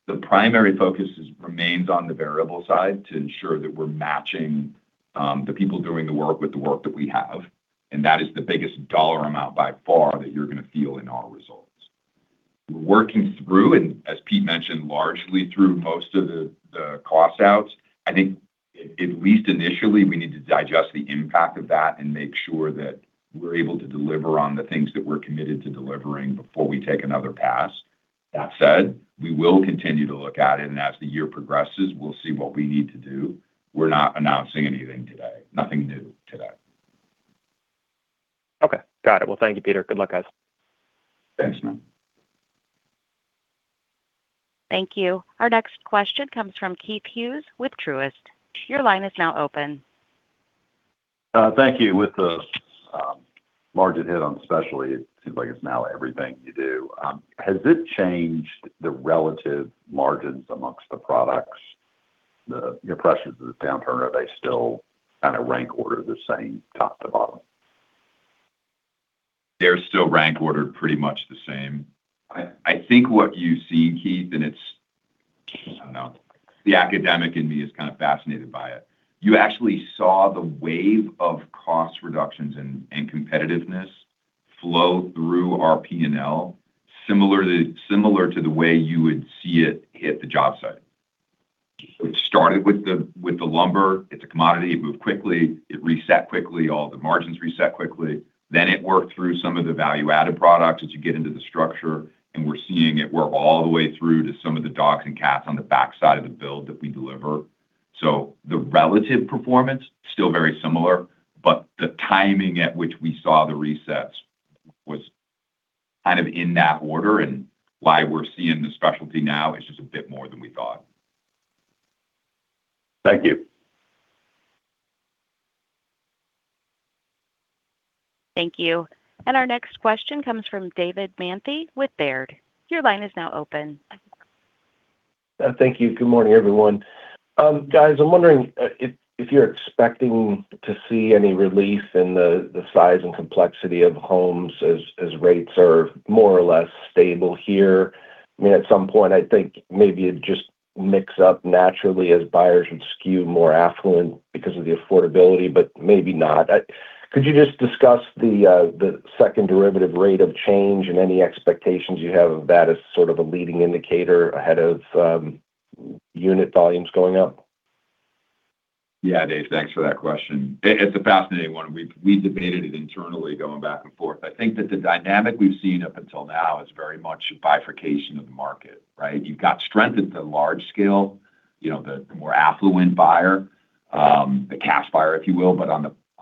The primary focus is, remains on the variable side to ensure that we're matching the people doing the work with the work that we have, and that is the biggest dollar amount by far that you're gonna feel in our results. We're working through, as Pete mentioned, largely through most of the cost outs. I think at least initially, we need to digest the impact of that and make sure that we're able to deliver on the things that we're committed to delivering before we take another pass. That said, we will continue to look at it, and as the year progresses, we'll see what we need to do. We're not announcing anything today. Nothing new today. Okay. Got it. Well, thank you, Peter. Good luck, guys. Thanks, Matt. Thank you. Our next question comes from Keith Hughes with Truist. Your line is now open. Thank you. With the margin hit on specialty, it seems like it's now everything you do. Has it changed the relative margins amongst the products? The pressures of the downturn, are they still rank order the same top to bottom? They're still rank ordered pretty much the same. I think what you see, Keith, and it's, I don't know, the academic in me is kind of fascinated by it. You actually saw the wave of cost reductions and competitiveness flow through our P&L similarly, similar to the way you would see it hit the job site. It started with the lumber. It's a commodity. It moved quickly. It reset quickly. All the margins reset quickly. It worked through some of the value-added products as you get into the structure, and we're seeing it work all the way through to some of the doors and cabs on the backside of the build that we deliver. The relative performance, still very similar, but the timing at which we saw the resets was kind of in that order and why we're seeing the specialty now, it's just a bit more than we thought. Thank you. Thank you. Our next question comes from David Manthey with Baird. Your line is now open. Thank you. Good morning, everyone. Guys, I'm wondering if you're expecting to see any relief in the size and complexity of homes as rates are more or less stable here. I mean, at some point, I think maybe it just mix up naturally as buyers would skew more affluent because of the affordability, but maybe not. Could you just discuss the second derivative rate of change and any expectations you have of that as sort of a leading indicator ahead of unit volumes going up? Yeah, Dave, thanks for that question. It's a fascinating one. We've debated it internally going back and forth. I think that the dynamic we've seen up until now is very much a bifurcation of the market, right? You've got strength at the large scale, you know, the more affluent buyer, the cash buyer, if you will.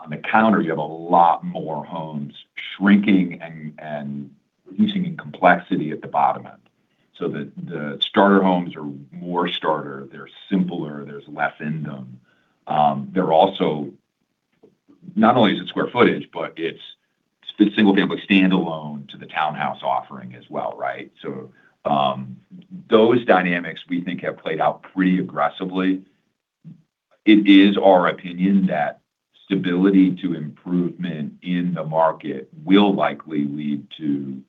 On the counter, you have a lot more homes shrinking and reducing in complexity at the bottom end so that the starter homes are more starter. They're simpler, there's less in them. They're also not only is it square footage, but it's single-family standalone to the townhouse offering as well, right? Those dynamics, we think, have played out pretty aggressively. It is our opinion that stability to improvement in the market will likely lead to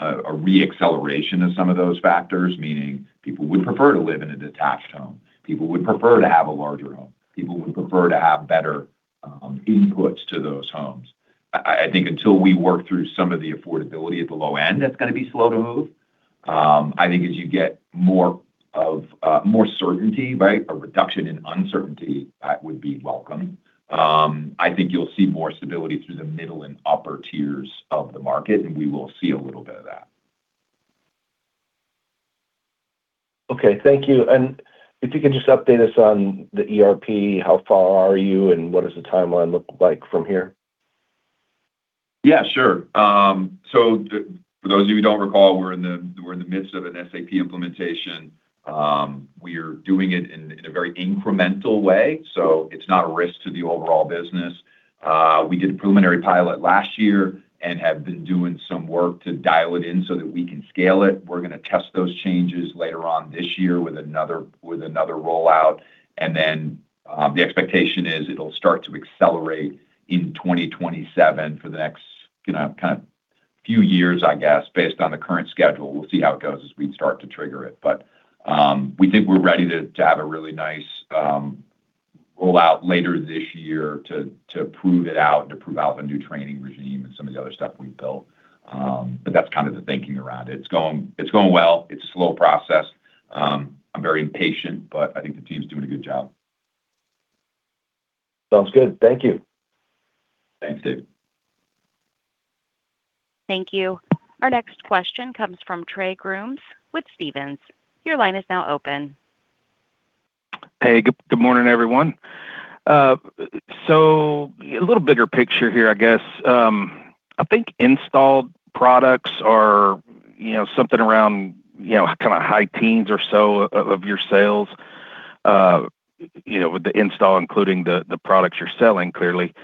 a re-acceleration of some of those factors, meaning people would prefer to live in a detached home, people would prefer to have a larger home, people would prefer to have better inputs to those homes. I think until we work through some of the affordability at the low end that's gonna be slow to move. I think as you get more of more certainty, right, a reduction in uncertainty, that would be welcome. I think you'll see more stability through the middle and upper tiers of the market. We will see a little bit of that. Okay. Thank you. If you could just update us on the ERP, how far are you, and what does the timeline look like from here? Yeah, sure. For those of you who don't recall, we're in the midst of an SAP implementation. We are doing it in a very incremental way, so it's not a risk to the overall business. We did a preliminary pilot last year and have been doing some work to dial it in so that we can scale it. We're gonna test those changes later on this year with another rollout, then the expectation is it'll start to accelerate in 2027 for the next, you know, kind of few years I guess, based on the current schedule. We'll see how it goes as we start to trigger it. We think we're ready to have a really nice, rollout later this year to prove it out and to prove out the new training regime and some of the other stuff we've built. That's kind of the thinking around it. It's going well. It's a slow process. I'm very impatient, but I think the team's doing a good job. Sounds good. Thank you. Thanks, Dave. Thank you. Our next question comes from Trey Grooms with Stephens. Your line is now open. Hey, good morning, everyone. A little bigger picture here, I guess. I think installed products are, you know, something around, you know, kind of high teens or so of your sales. You know, with the install including the products you're selling, clearly.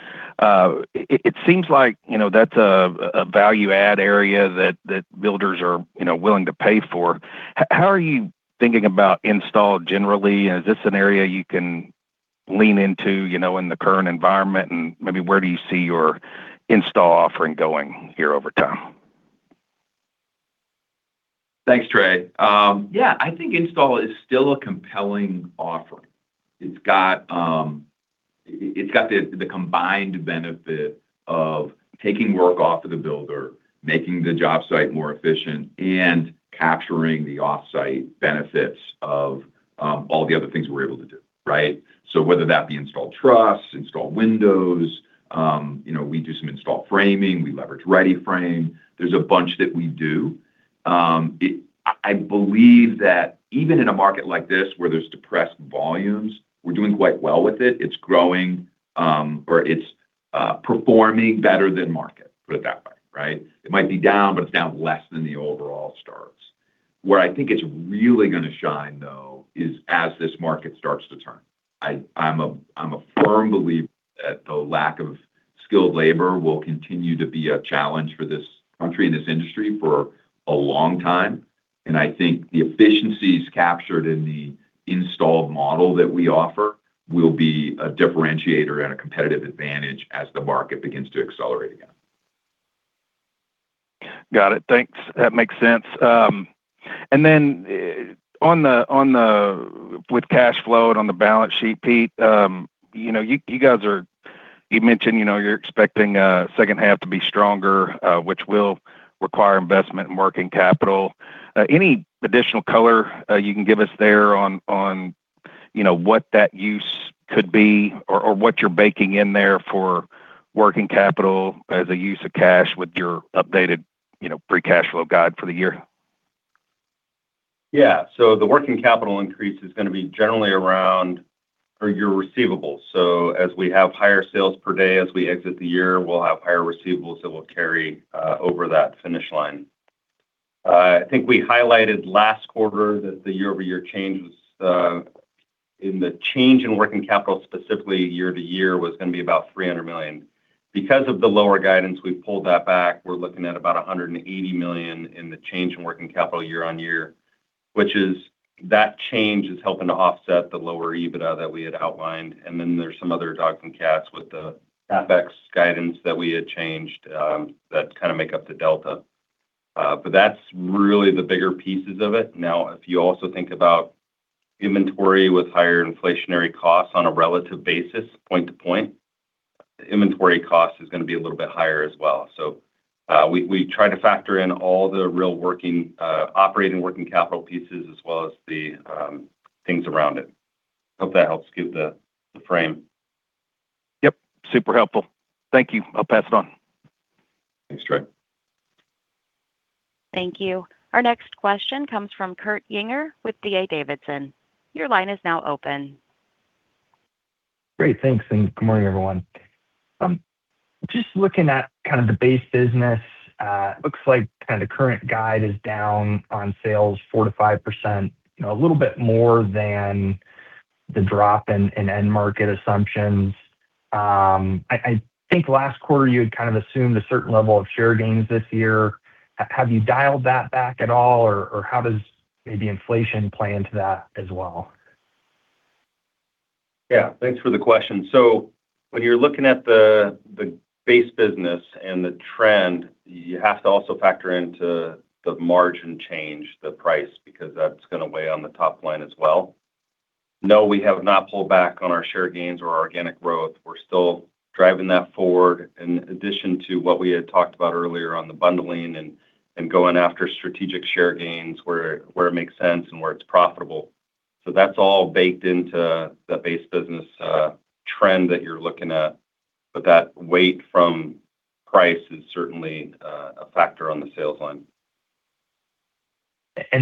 It seems like, you know, that's a value add area that builders are, you know, willing to pay for. How are you thinking about install generally, and is this an area you can lean into, you know, in the current environment? Maybe where do you see your install offering going here over time? Thanks, Trey. Yeah, I think install is still a compelling offering. It's got the combined benefit of taking work off of the builder, making the job site more efficient, and capturing the offsite benefits of all the other things we're able to do, right? Whether that be installed truss, installed windows, you know, we do some install framing, we leverage READY-FRAME. There's a bunch that we do. I believe that even in a market like this where there's depressed volumes, we're doing quite well with it. It's growing, or it's performing better than market, put it that way, right? It might be down, but it's down less than the overall starts. Where I think it's really gonna shine, though, is as this market starts to turn. I'm a firm believer that the lack of skilled labor will continue to be a challenge for this country and this industry for a long time, and I think the efficiencies captured in the installed model that we offer will be a differentiator and a competitive advantage as the market begins to accelerate again. Got it. Thanks. That makes sense. Then, with cash flow and on the balance sheet, Pete, you know, you mentioned, you know, you're expecting second half to be stronger, which will require investment in working capital. Any additional color you can give us there on, you know, what that use could be or what you're baking in there for working capital as a use of cash with your updated, you know, free cash flow guide for the year? Yeah. The working capital increase is gonna be generally around for your receivables. As we have higher sales per day as we exit the year, we'll have higher receivables that will carry over that finish line. I think we highlighted last quarter that the year-over-year change was in the change in working capital specifically year-to-year was gonna be about $300 million. Because of the lower guidance, we pulled that back. We're looking at about $180 million in the change in working capital year-on-year, which is that change is helping to offset the lower EBITDA that we had outlined, and then there's some other odds and ends with the CapEx guidance that we had changed, that kind of make up the delta. That's really the bigger pieces of it. If you also think about inventory with higher inflationary costs on a relative basis point to point, inventory cost is gonna be a little bit higher as well. We try to factor in all the real working operating working capital pieces as well as the things around it. Hope that helps give the frame. Yep. Super helpful. Thank you. I'll pass it on. Thanks, Trey. Thank you. Our next question comes from Kurt Yinger with D.A. Davidson. Your line is now open. Great. Thanks. Good morning, everyone. Just looking at kind of the base business, looks like kinda current guide is down on sales 4%-5%. You know, a little bit more than the drop in end market assumptions. I think last quarter you had kind of assumed a certain level of share gains this year. Have you dialed that back at all? Or, how does maybe inflation play into that as well? Yeah. Thanks for the question. When you're looking at the base business and the trend, you have to also factor into the margin change, the price, because that's gonna weigh on the top line as well. No, we have not pulled back on our share gains or organic growth. We're still driving that forward in addition to what we had talked about earlier on the bundling and going after strategic share gains where it makes sense and where it's profitable. That's all baked into the base business, trend that you're looking at, but that weight from price is certainly a factor on the sales line.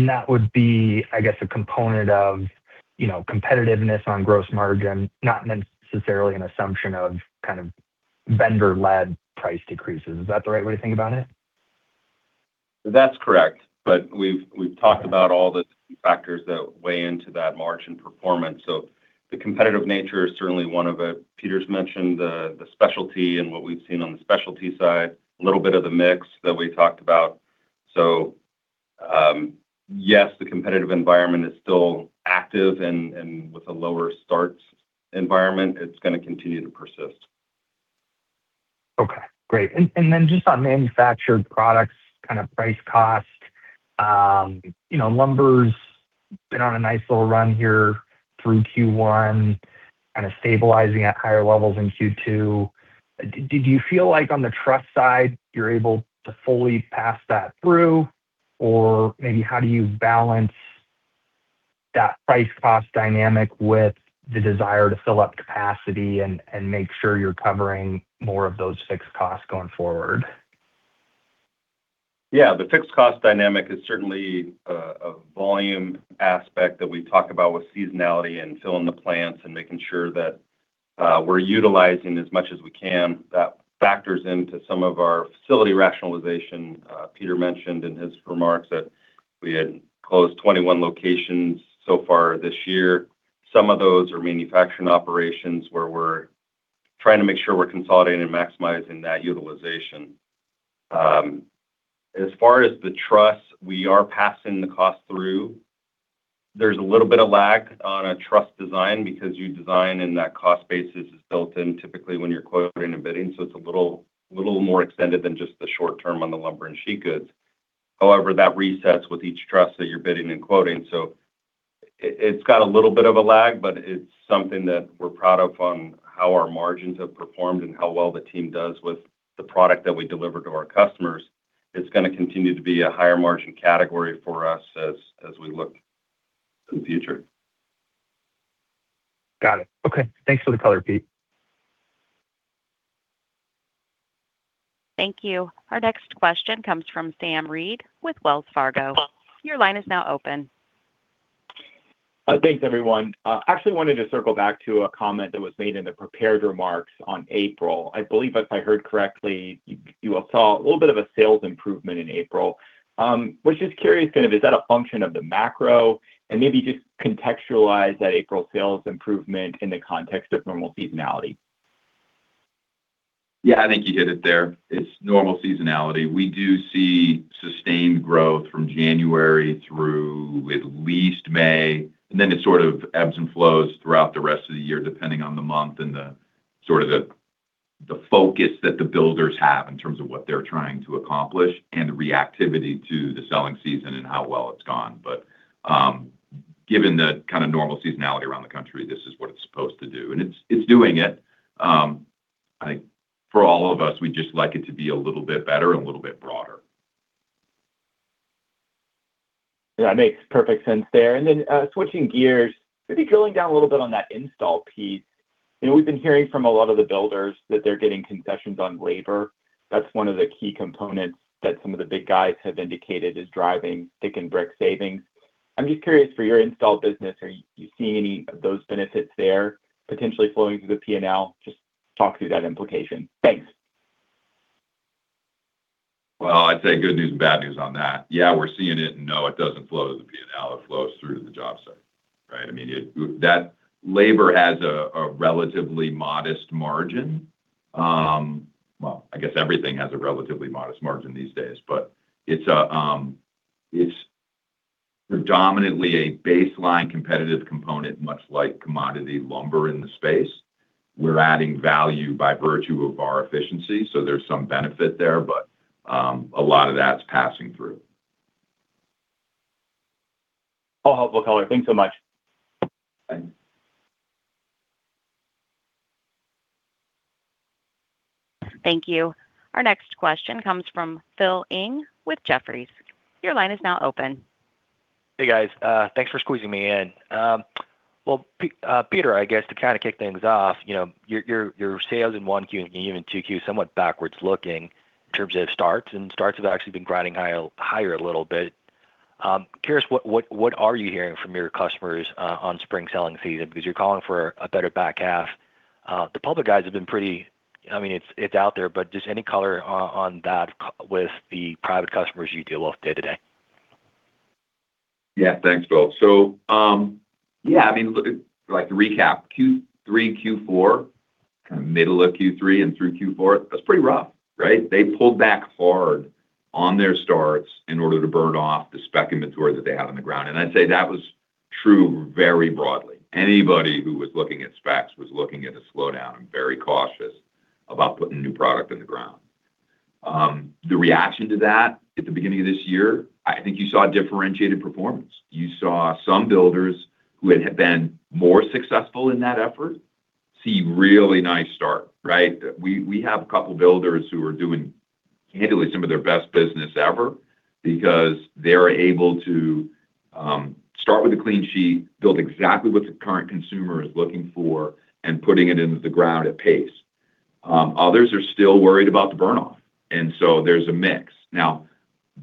That would be, I guess, a component of, you know, competitiveness on gross margin, not necessarily an assumption of kind of vendor-led price decreases. Is that the right way to think about it? That's correct. We've talked about all the factors that weigh into that margin performance, so the competitive nature is certainly one of it. Peter's mentioned the specialty and what we've seen on the specialty side, a little bit of the mix that we talked about. Yes, the competitive environment is still active and with a lower start environment, it's gonna continue to persist. Okay. Great. Then just on manufactured products, kind of price cost, you know, lumber's been on a nice little run here through Q1, kinda stabilizing at higher levels in Q2. Did you feel like on the truss side, you're able to fully pass that through? Maybe how do you balance that price-cost dynamic with the desire to fill up capacity and make sure you're covering more of those fixed costs going forward? The fixed cost dynamic is certainly a volume aspect that we talk about with seasonality and filling the plants and making sure that we're utilizing as much as we can. That factors into some of our facility rationalization. Peter mentioned in his remarks that we had closed 21 locations so far this year. Some of those are manufacturing operations where we're trying to make sure we're consolidating and maximizing that utilization. As far as the truss, we are passing the cost through. There's a little bit of lag on a truss design because you design and that cost basis is built in typically when you're quoting and bidding, so it's a little more extended than just the short term on the lumber and sheet goods. However, that resets with each truss that you're bidding and quoting. It's got a little bit of a lag, but it's something that we're proud of on how our margins have performed and how well the team does with the product that we deliver to our customers. It's gonna continue to be a higher margin category for us as we look to the future. Got it. Okay. Thanks for the color, Pete. Thank you. Our next question comes from Sam Reid with Wells Fargo. Your line is now open. Thanks everyone. Actually wanted to circle back to a comment that was made in the prepared remarks on April. I believe if I heard correctly, you saw a little bit of a sales improvement in April. Was just curious, is that a function of the macro? Maybe just contextualize that April sales improvement in the context of normal seasonality. Yeah. I think you hit it there. It's normal seasonality. We do see sustained growth from January through at least May, and then it sort of ebbs and flows throughout the rest of the year, depending on the month and the sort of the focus that the builders have in terms of what they're trying to accomplish and the reactivity to the selling season and how well it's gone. Given the kind of normal seasonality around the country, this is what it's supposed to do, and it's doing it. I think for all of us, we'd just like it to be a little bit better and a little bit broader. Yeah. Makes perfect sense there. Switching gears, maybe drilling down a little bit on that install piece. You know, we've been hearing from a lot of the builders that they're getting concessions on labor. That's one of the key components that some of the big guys have indicated is driving sticks and bricks savings. I'm just curious, for your install business, are you seeing any of those benefits there potentially flowing through the P&L? Just talk through that implication. Thanks. Well, I'd say good news and bad news on that. Yeah, we're seeing it, and no, it doesn't flow to the P&L. It flows through to the job site, right? I mean, that labor has a relatively modest margin. Well, I guess everything has a relatively modest margin these days, but it's a predominantly a baseline competitive component, much like commodity lumber in the space. We're adding value by virtue of our efficiency, so there's some benefit there. A lot of that's passing through. All helpful color. Thanks so much. Bye. Thank you. Our next question comes from Philip Ng with Jefferies. Your line is now open. Hey, guys. Thanks for squeezing me in. Well, Peter, I guess to kinda kick things off, you know, your sales in 1Q and even 2Q somewhat backwards looking in terms of starts, and starts have actually been grinding higher a little bit. I'm curious what are you hearing from your customers on spring selling season? Because you're calling for a better back half. The public guys have been pretty. I mean, it's out there, but just any color on that with the private customers you deal with day to day. Thanks, Phil. I mean, look, like to recap, Q3, Q4, kind of middle of Q3 and through Q4, that's pretty rough, right? They pulled back hard on their starts in order to burn off the spec inventory that they had on the ground. I'd say that was true very broadly. Anybody who was looking at specs was looking at a slowdown and very cautious about putting new product in the ground. The reaction to that at the beginning of this year, I think you saw differentiated performance. You saw some builders who had been more successful in that effort see really nice start, right? We have a couple builders who are doing candidly some of their best business ever because they're able to start with a clean sheet, build exactly what the current consumer is looking for, and putting it into the ground at pace. Others are still worried about the burn off, there's a mix.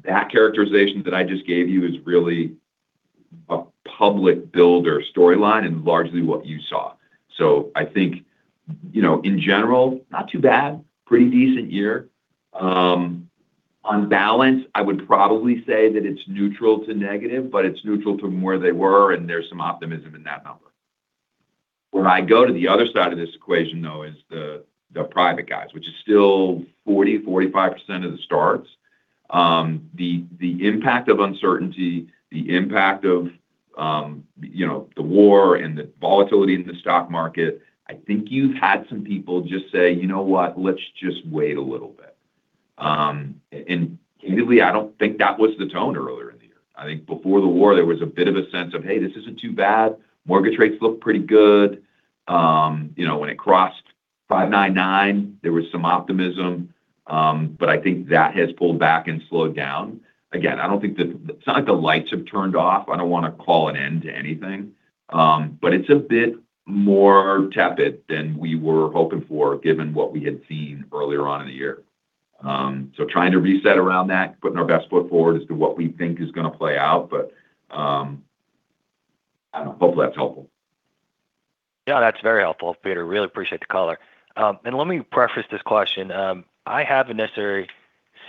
That characterization that I just gave you is really a public builder storyline and largely what you saw. I think, you know, in general, not too bad, pretty decent year. On balance, I would probably say that it's neutral to negative, but it's neutral from where they were, and there's some optimism in that number. Where I go to the other side of this equation, though, is the private guys, which is still 40%-45% of the starts. The, the impact of uncertainty, the impact of, you know, the war and the volatility in the stock market, I think you've had some people just say, "You know what? Let's just wait a little bit." And candidly, I don't think that was the tone earlier in the year. I think before the war, there was a bit of a sense of, "Hey, this isn't too bad. Mortgage rates look pretty good." You know, when it crossed 599, there was some optimism, but I think that has pulled back and slowed down. Again, It's not like the lights have turned off. I don't wanna call an end to anything, but it's a bit more tepid than we were hoping for, given what we had seen earlier on in the year. Trying to reset around that, putting our best foot forward as to what we think is gonna play out, I don't know, hopefully that's helpful. Yeah, that's very helpful, Peter. Really appreciate the color. Let me preface this question. I haven't necessarily seen.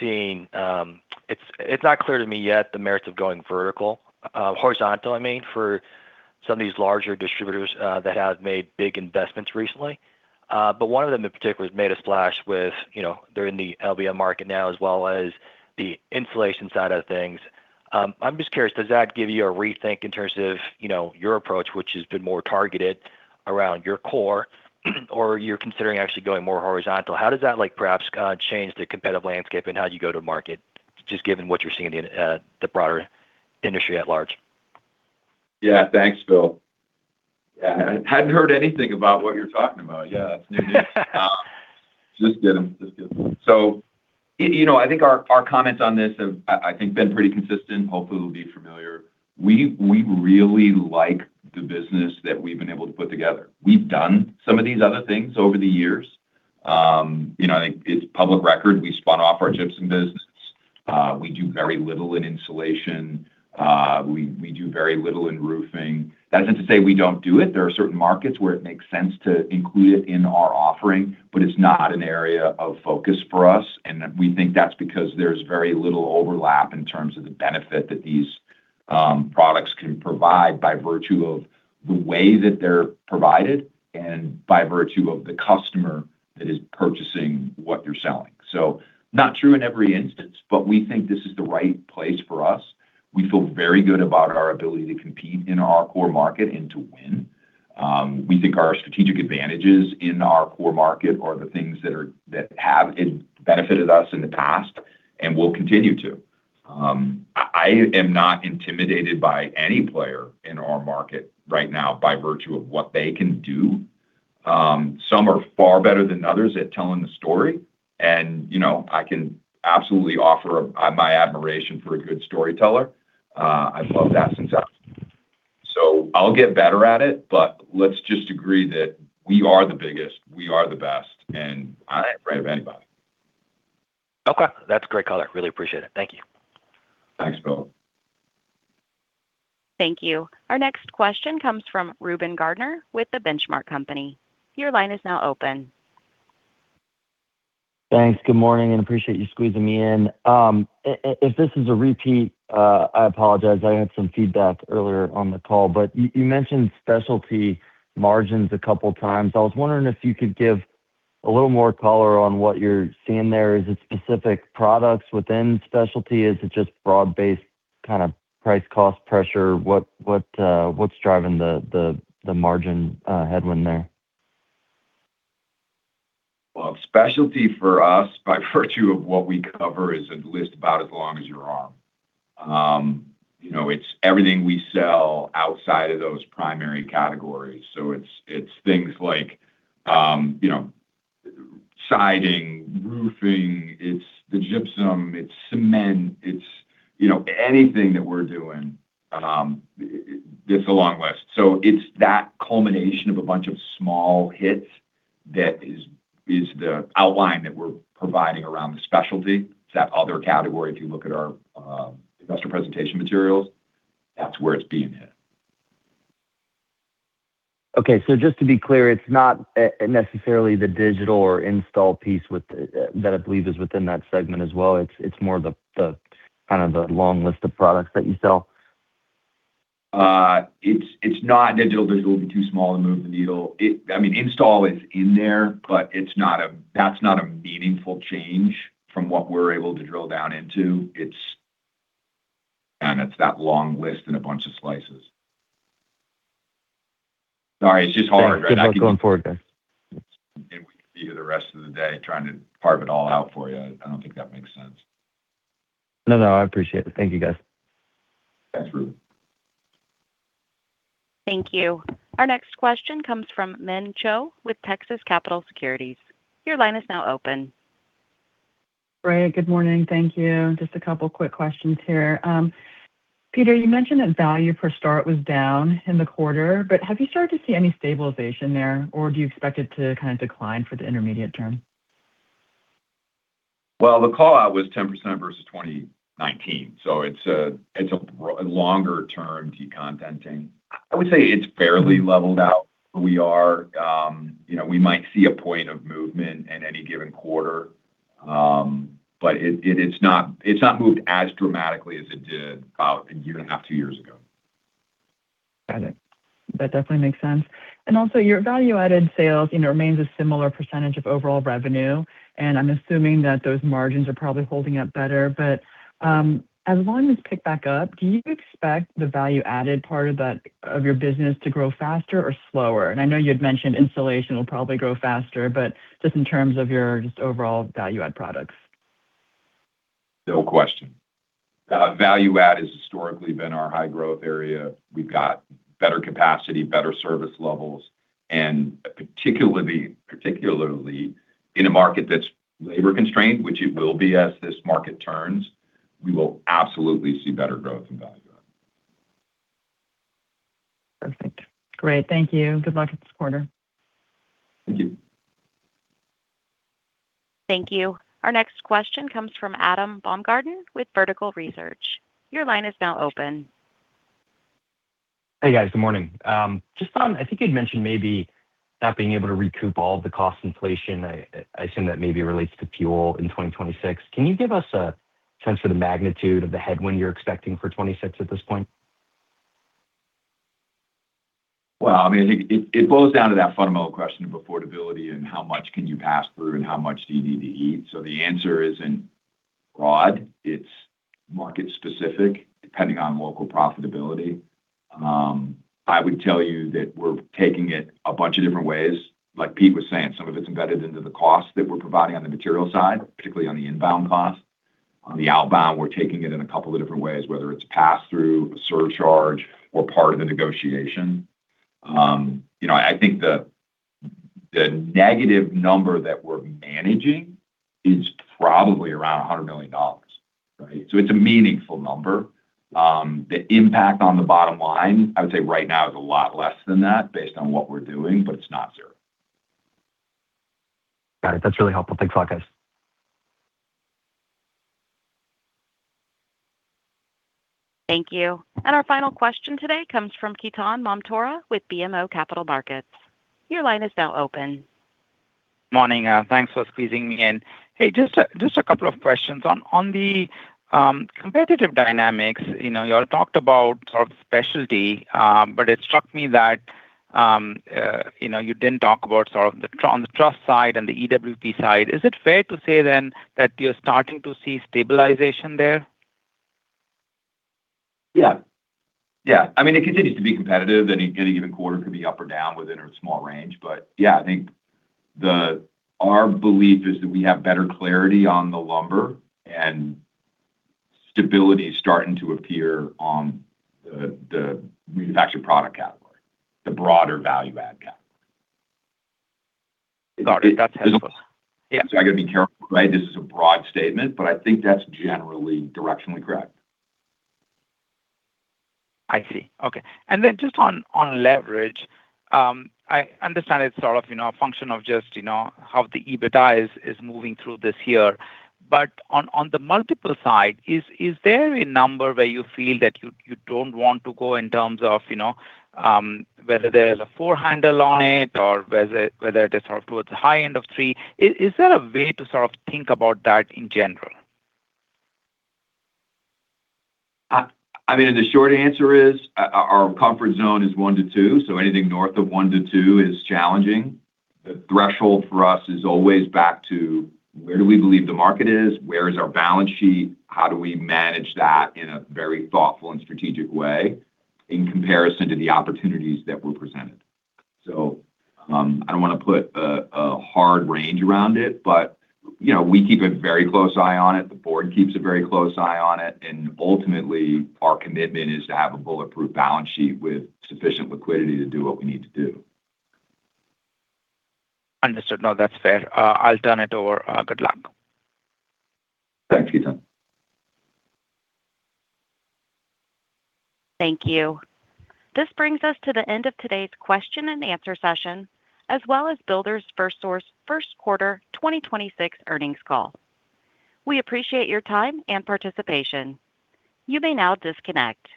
It's not clear to me yet the merits of going vertical, horizontal, I mean, for some of these larger distributors that have made big investments recently. One of them in particular has made a splash with, you know, they're in the LBM market now, as well as the insulation side of things. I'm just curious, does that give you a rethink in terms of, you know, your approach, which has been more targeted around your core, or you're considering actually going more horizontal? How does that, like, perhaps, change the competitive landscape and how you go to market, just given what you're seeing in the broader industry at large? Thanks, Phil. Hadn't heard anything about what you're talking about. It's new news. Just get them. You know, I think our comments on this have, I think, been pretty consistent. Hopefully it'll be familiar. We really like the business that we've been able to put together. We've done some of these other things over the years. You know, I think it's public record, we spun off our gypsum business. We do very little in insulation. We do very little in roofing. That isn't to say we don't do it. There are certain markets where it makes sense to include it in our offering, but it's not an area of focus for us, and we think that's because there's very little overlap in terms of the benefit that these products can provide by virtue of the way that they're provided and by virtue of the customer that is purchasing what you're selling. Not true in every instance, but we think this is the right place for us. We feel very good about our ability to compete in our core market and to win. We think our strategic advantages in our core market are the things that have benefited us in the past and will continue to. I am not intimidated by any player in our market right now by virtue of what they can do. Some are far better than others at telling the story. You know, I can absolutely offer my admiration for a good storyteller. I'll get better at it, let's just agree that we are the biggest, we are the best, and I'm not afraid of anybody. Okay. That's a great color. Really appreciate it. Thank you. Thanks, Phil. Thank you. Our next question comes from Reuben Garner with The Benchmark Company. Your line is now open. Thanks. Good morning, appreciate you squeezing me in. If this is a repeat, I apologize. I had some feedback earlier on the call. You mentioned specialty margins a couple times. I was wondering if you could give a little more color on what you're seeing there. Is it specific products within specialty? Is it just broad-based kind of price cost pressure? What's driving the margin headwind there? Well, specialty for us, by virtue of what we cover, is a list about as long as your arm. You know, it's everything we sell outside of those primary categories. It's, it's things like, you know, siding, roofing. It's the gypsum, it's cement, it's, you know, anything that we're doing. It's a long list. It's that culmination of a bunch of small hits that is the outline that we're providing around the specialty. It's that other category. If you look at our investor presentation materials, that's where it's being hit. Okay. Just to be clear, it's not necessarily the digital or install piece that I believe is within that segment as well. It's more the kind of the long list of products that you sell. It's, it's not digital. Digital would be too small to move the needle. I mean, install is in there, but that's not a meaningful change from what we're able to drill down into. It's. It's that long list and a bunch of slices. Sorry, it's just hard, right? Good luck going forward, guys. We can see you the rest of the day trying to carve it all out for you. I don't think that makes sense. No, no, I appreciate it. Thank you, guys. Thanks, Reuben. Thank you. Our next question comes from Min Cho with Texas Capital Securities. Your line is now open. Great. Good morning. Thank you. Just a couple quick questions here. Peter, you mentioned that value per start was down in the quarter, but have you started to see any stabilization there, or do you expect it to kind of decline for the intermediate term? Well, the call out was 10% versus 2019, so it's a longer-term decontenting. I would say it's fairly leveled out. We are, you know, we might see a point of movement in any given quarter. It's not moved as dramatically as it did about a year and a half, two years ago. Got it. That definitely makes sense. Also, your value-added sales, you know, remains a similar percentage of overall revenue, and I'm assuming that those margins are probably holding up better. As volume has picked back up, do you expect the value-added part of your business to grow faster or slower? I know you had mentioned installation will probably grow faster, but just in terms of your just overall value-add products. No question. value add has historically been our high-growth area. We've got better capacity, better service levels, particularly in a market that's labor-constrained, which it will be as this market turns, we will absolutely see better growth in value add. Perfect. Great. Thank you. Good luck with this quarter. Thank you. Thank you. Our next question comes from Adam Baumgarten with Vertical Research. Your line is now open. Hey, guys. Good morning. I think you'd mentioned maybe not being able to recoup all the cost inflation. I assume that maybe relates to fuel in 2026. Can you give us a sense for the magnitude of the headwind you're expecting for 2026 at this point? Well, I mean, it boils down to that fundamental question of affordability and how much can you pass through and how much do you need to eat. The answer isn't broad. It's market-specific, depending on local profitability. I would tell you that we're taking it a bunch of different ways. Like Pete was saying, some of it's embedded into the cost that we're providing on the material side, particularly on the inbound cost. On the outbound, we're taking it in a couple of different ways, whether it's pass through, a surcharge, or part of the negotiation. You know, I think the negative number that we're managing is probably around $100 million, right? It's a meaningful number. The impact on the bottom line, I would say right now is a lot less than that based on what we're doing, but it's not zero. Got it. That's really helpful. Thanks a lot, guys. Thank you. Our final question today comes from Ketan Mamtora with BMO Capital Markets. Your line is now open. Morning. Thanks for squeezing me in. Hey, just a couple of questions. On the competitive dynamics, you know, y'all talked about sort of specialty, but it struck me that, you know, you didn't talk about sort of the truss side and the EWP side. Is it fair to say that you're starting to see stabilization there? Yeah. I mean, it continues to be competitive. Any given quarter could be up or down within a small range. Yeah, I think our belief is that we have better clarity on the lumber and stability is starting to appear on the manufactured product category, the broader value add category. Sorry, that's helpful. Yeah. I gotta be careful, right? This is a broad statement, but I think that's generally directionally correct. I see. Okay. Just on leverage, I understand it's sort of, you know, a function of just, you know, how the EBITDA is moving through this year. On, on the multiple side, is there a number where you feel that you don't want to go in terms of, you know, whether there's a four handle on it or whether it is sort of towards the high end of three? Is there a way to sort of think about that in general? I mean, the short answer is our comfort zone is one to two, so anything north of one to two is challenging. The threshold for us is always back to where do we believe the market is? Where is our balance sheet? How do we manage that in a very thoughtful and strategic way in comparison to the opportunities that we're presented? I don't want to put a hard range around it, but you know, we keep a very close eye on it. The board keeps a very close eye on it. Ultimately, our commitment is to have a bulletproof balance sheet with sufficient liquidity to do what we need to do. Understood. No, that's fair. I'll turn it over. Good luck. Thanks, Ketan. Thank you. This brings us to the end of today's question and answer session, as well as Builders FirstSource first quarter 2026 earnings call. We appreciate your time and participation. You may now disconnect.